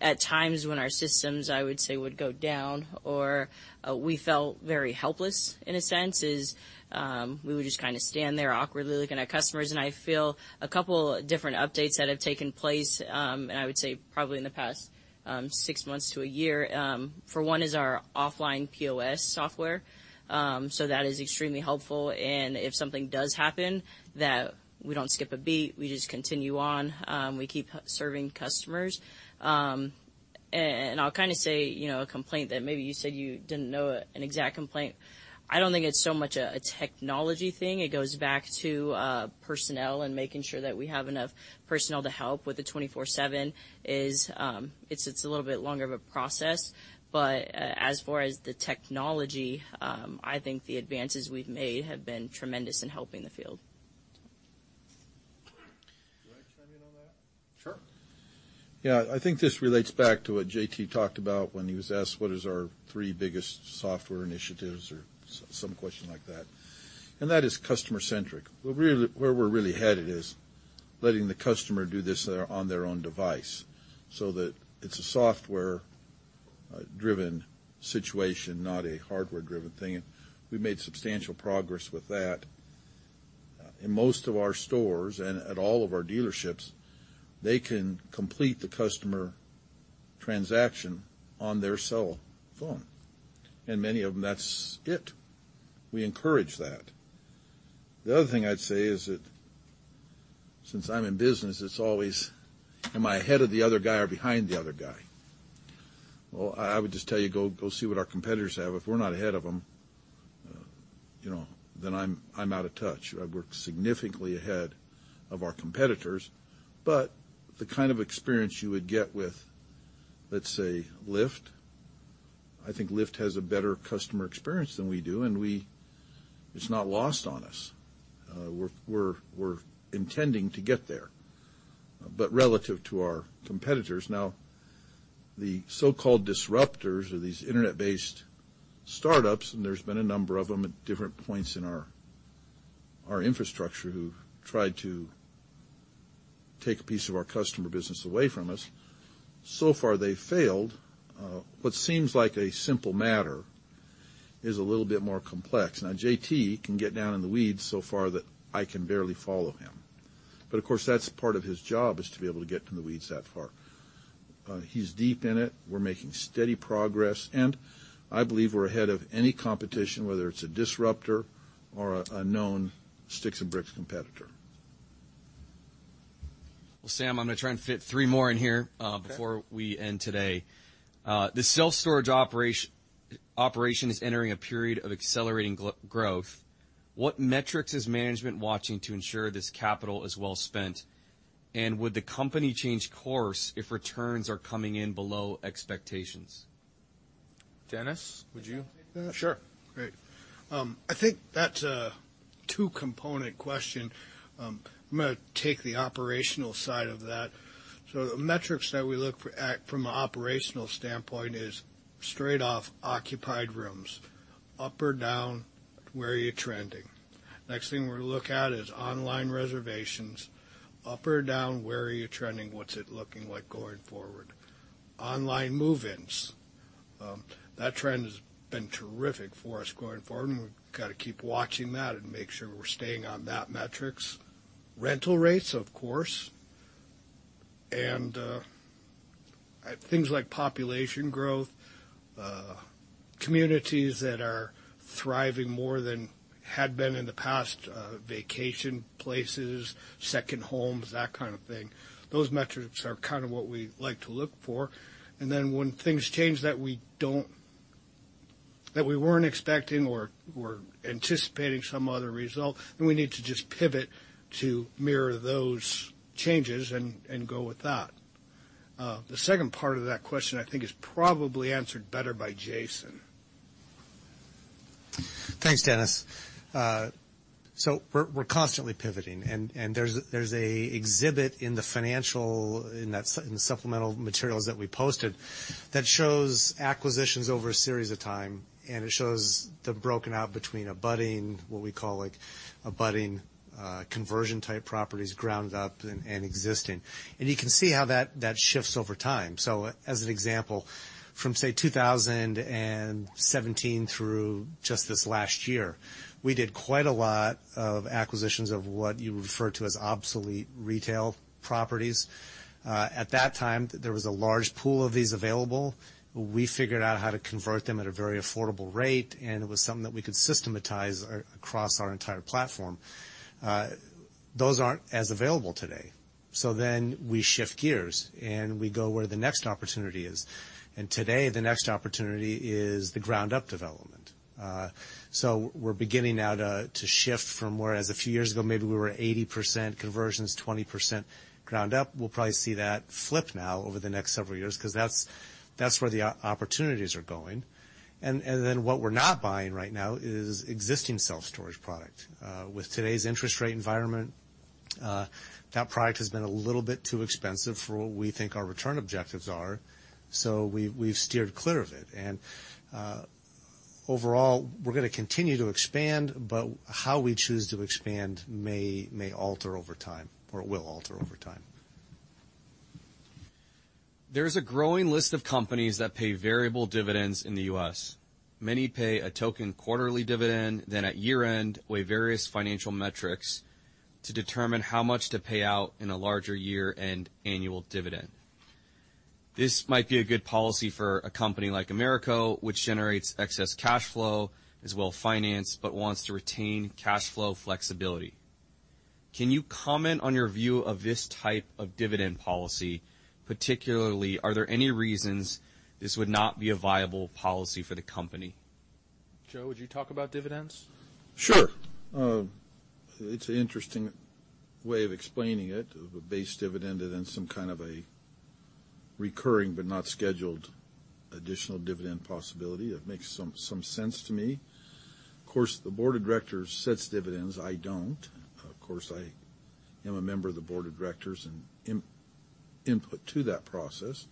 at times when our systems, I would say, would go down or we felt very helpless in a sense, we would just kind of stand there awkwardly looking at customers. I feel a couple different updates that have taken place, and I would say probably in the past six months to a year. For one, our offline POS software. That is extremely helpful if something does happen, that we don't skip a beat, we just continue on. We keep serving customers. I'll kind of say, you know, a complaint that maybe you said you didn't know an exact complaint. I don't think it's so much a technology thing. It goes back to personnel and making sure that we have enough personnel to help with the 24/7. It's just a little bit longer of a process. As far as the technology, I think the advances we've made have been tremendous in helping the field. Can I chime in on that? Sure. Yeah. I think this relates back to what JT talked about when he was asked what is our three biggest software initiatives or some question like that. That is customer-centric. Really, where we're really headed is letting the customer do this on their own device, so that it's a software-driven situation, not a hardware-driven thing. We've made substantial progress with that. In most of our stores and at all of our dealerships, they can complete the customer transaction on their cell phone. Many of them, that's it. We encourage that. The other thing I'd say is that since I'm in business, it's always, am I ahead of the other guy or behind the other guy? Well, I would just tell you, go see what our competitors have. If we're not ahead of them, you know, then I'm out of touch. I've worked significantly ahead of our competitors. The kind of experience you would get with, let's say, Lyft, I think Lyft has a better customer experience than we do. It's not lost on us. We're intending to get there. Relative to our competitors, now, the so-called disruptors or these Internet-based startups, and there's been a number of them at different points in our infrastructure who've tried to take a piece of our customer business away from us. So far, they've failed. What seems like a simple matter is a little bit more complex. Now, JT can get down in the weeds so far that I can barely follow him. Of course, that's part of his job, is to be able to get in the weeds that far. He's deep in it. We're making steady progress, and I believe we're ahead of any competition, whether it's a disruptor or a known sticks and bricks competitor. Well, Sam, I'm gonna try and fit three more in here. Okay. Before we end today. The self-storage operation is entering a period of accelerating growth. What metrics is management watching to ensure this capital is well spent? Would the company change course if returns are coming in below expectations? Dennis, would you? Sure. Great. I think that's a two-component question. I'm gonna take the operational side of that. The metrics that we look for at from an operational standpoint is straight off occupied rooms. Up or down, where are you trending? Next thing we're gonna look at is online reservations. Up or down, where are you trending? What's it looking like going forward? Online move-ins. That trend has been terrific for us going forward, and we've got to keep watching that and make sure we're staying on that metrics. Rental rates, of course. Things like population growth, communities that are thriving more than had been in the past, vacation places, second homes, that kind of thing. Those metrics are kind of what we like to look for. When things change that we weren't expecting or were anticipating some other result, we need to just pivot to mirror those changes and go with that. The second part of that question, I think, is probably answered better by Jason. Thanks, Dennis. So we're constantly pivoting. There's an exhibit in the supplemental materials that we posted that shows acquisitions over a series of time. It shows the broken out between abutting, what we call like abutting, conversion type properties, ground up and existing. You can see how that shifts over time. As an example, from say 2017 through just this last year, we did quite a lot of acquisitions of what you refer to as obsolete retail properties. At that time, there was a large pool of these available. We figured out how to convert them at a very affordable rate, and it was something that we could systematize across our entire platform. Those aren't as available today. We shift gears, and we go where the next opportunity is. Today, the next opportunity is the ground-up development. We're beginning now to shift from whereas a few years ago, maybe we were 80% conversions, 20% ground up. We'll probably see that flip now over the next several years because that's where the opportunities are going. And then what we're not buying right now is existing self-storage product. With today's interest rate environment, that product has been a little bit too expensive for what we think our return objectives are, so we've steered clear of it. Overall, we're gonna continue to expand, but how we choose to expand may alter over time, or will alter over time. There's a growing list of companies that pay variable dividends in the U.S. Many pay a token quarterly dividend, then at year-end, weigh various financial metrics to determine how much to pay out in a larger year-end annual dividend. This might be a good policy for a company like AMERCO, which generates excess cash flow, well financed, but wants to retain cash flow flexibility. Can you comment on your view of this type of dividend policy? Particularly, are there any reasons this would not be a viable policy for the company? Joe, would you talk about dividends? Sure. It's an interesting way of explaining it, with a base dividend and then some kind of a recurring but not scheduled additional dividend possibility. That makes some sense to me. Of course, the board of directors sets dividends. I don't. Of course, I am a member of the board of directors and input to that process.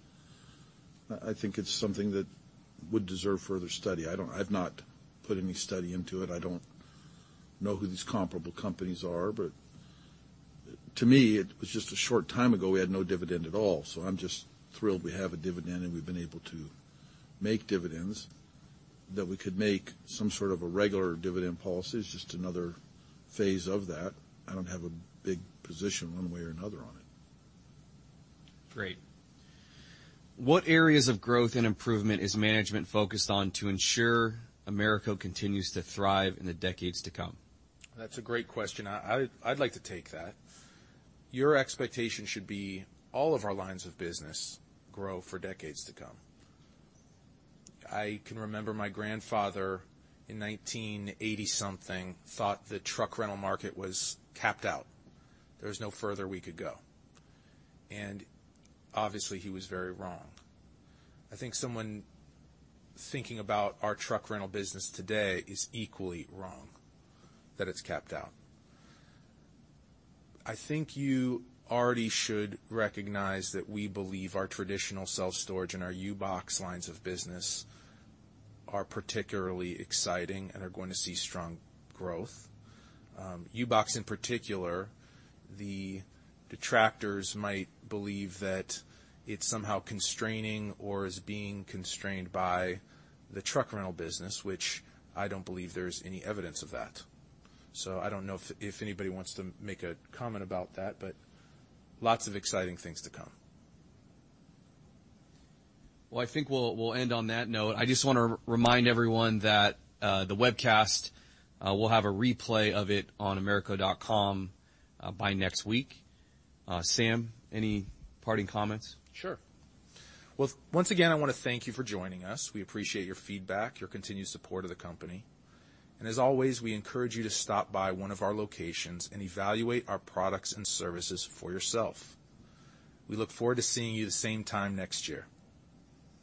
I think it's something that would deserve further study. I don't, I've not put any study into it. I don't know who these comparable companies are. To me, it was just a short time ago, we had no dividend at all. I'm just thrilled we have a dividend, and we've been able to make dividends that we could make some sort of a regular dividend policy. It's just another phase of that. I don't have a big position one way or another on it. Great. What areas of growth and improvement is management focused on to ensure AMERCO continues to thrive in the decades to come? That's a great question. I'd like to take that. Your expectation should be all of our lines of business grow for decades to come. I can remember my grandfather in 1980-something thought the truck rental market was capped out. There was no further we could go. Obviously, he was very wrong. I think someone thinking about our truck rental business today is equally wrong that it's capped out. I think you already should recognize that we believe our traditional self-storage and our U-Box lines of business are particularly exciting and are going to see strong growth. U-Box in particular, the detractors might believe that it's somehow constraining or is being constrained by the truck rental business, which I don't believe there's any evidence of that. I don't know if anybody wants to make a comment about that, but lots of exciting things to come. Well, I think we'll end on that note. I just wanna remind everyone that the webcast, we'll have a replay of it on amerco.com by next week. Sam, any parting comments? Sure. Well, once again, I wanna thank you for joining us. We appreciate your feedback, your continued support of the company. As always, we encourage you to stop by one of our locations and evaluate our products and services for yourself. We look forward to seeing you the same time next year.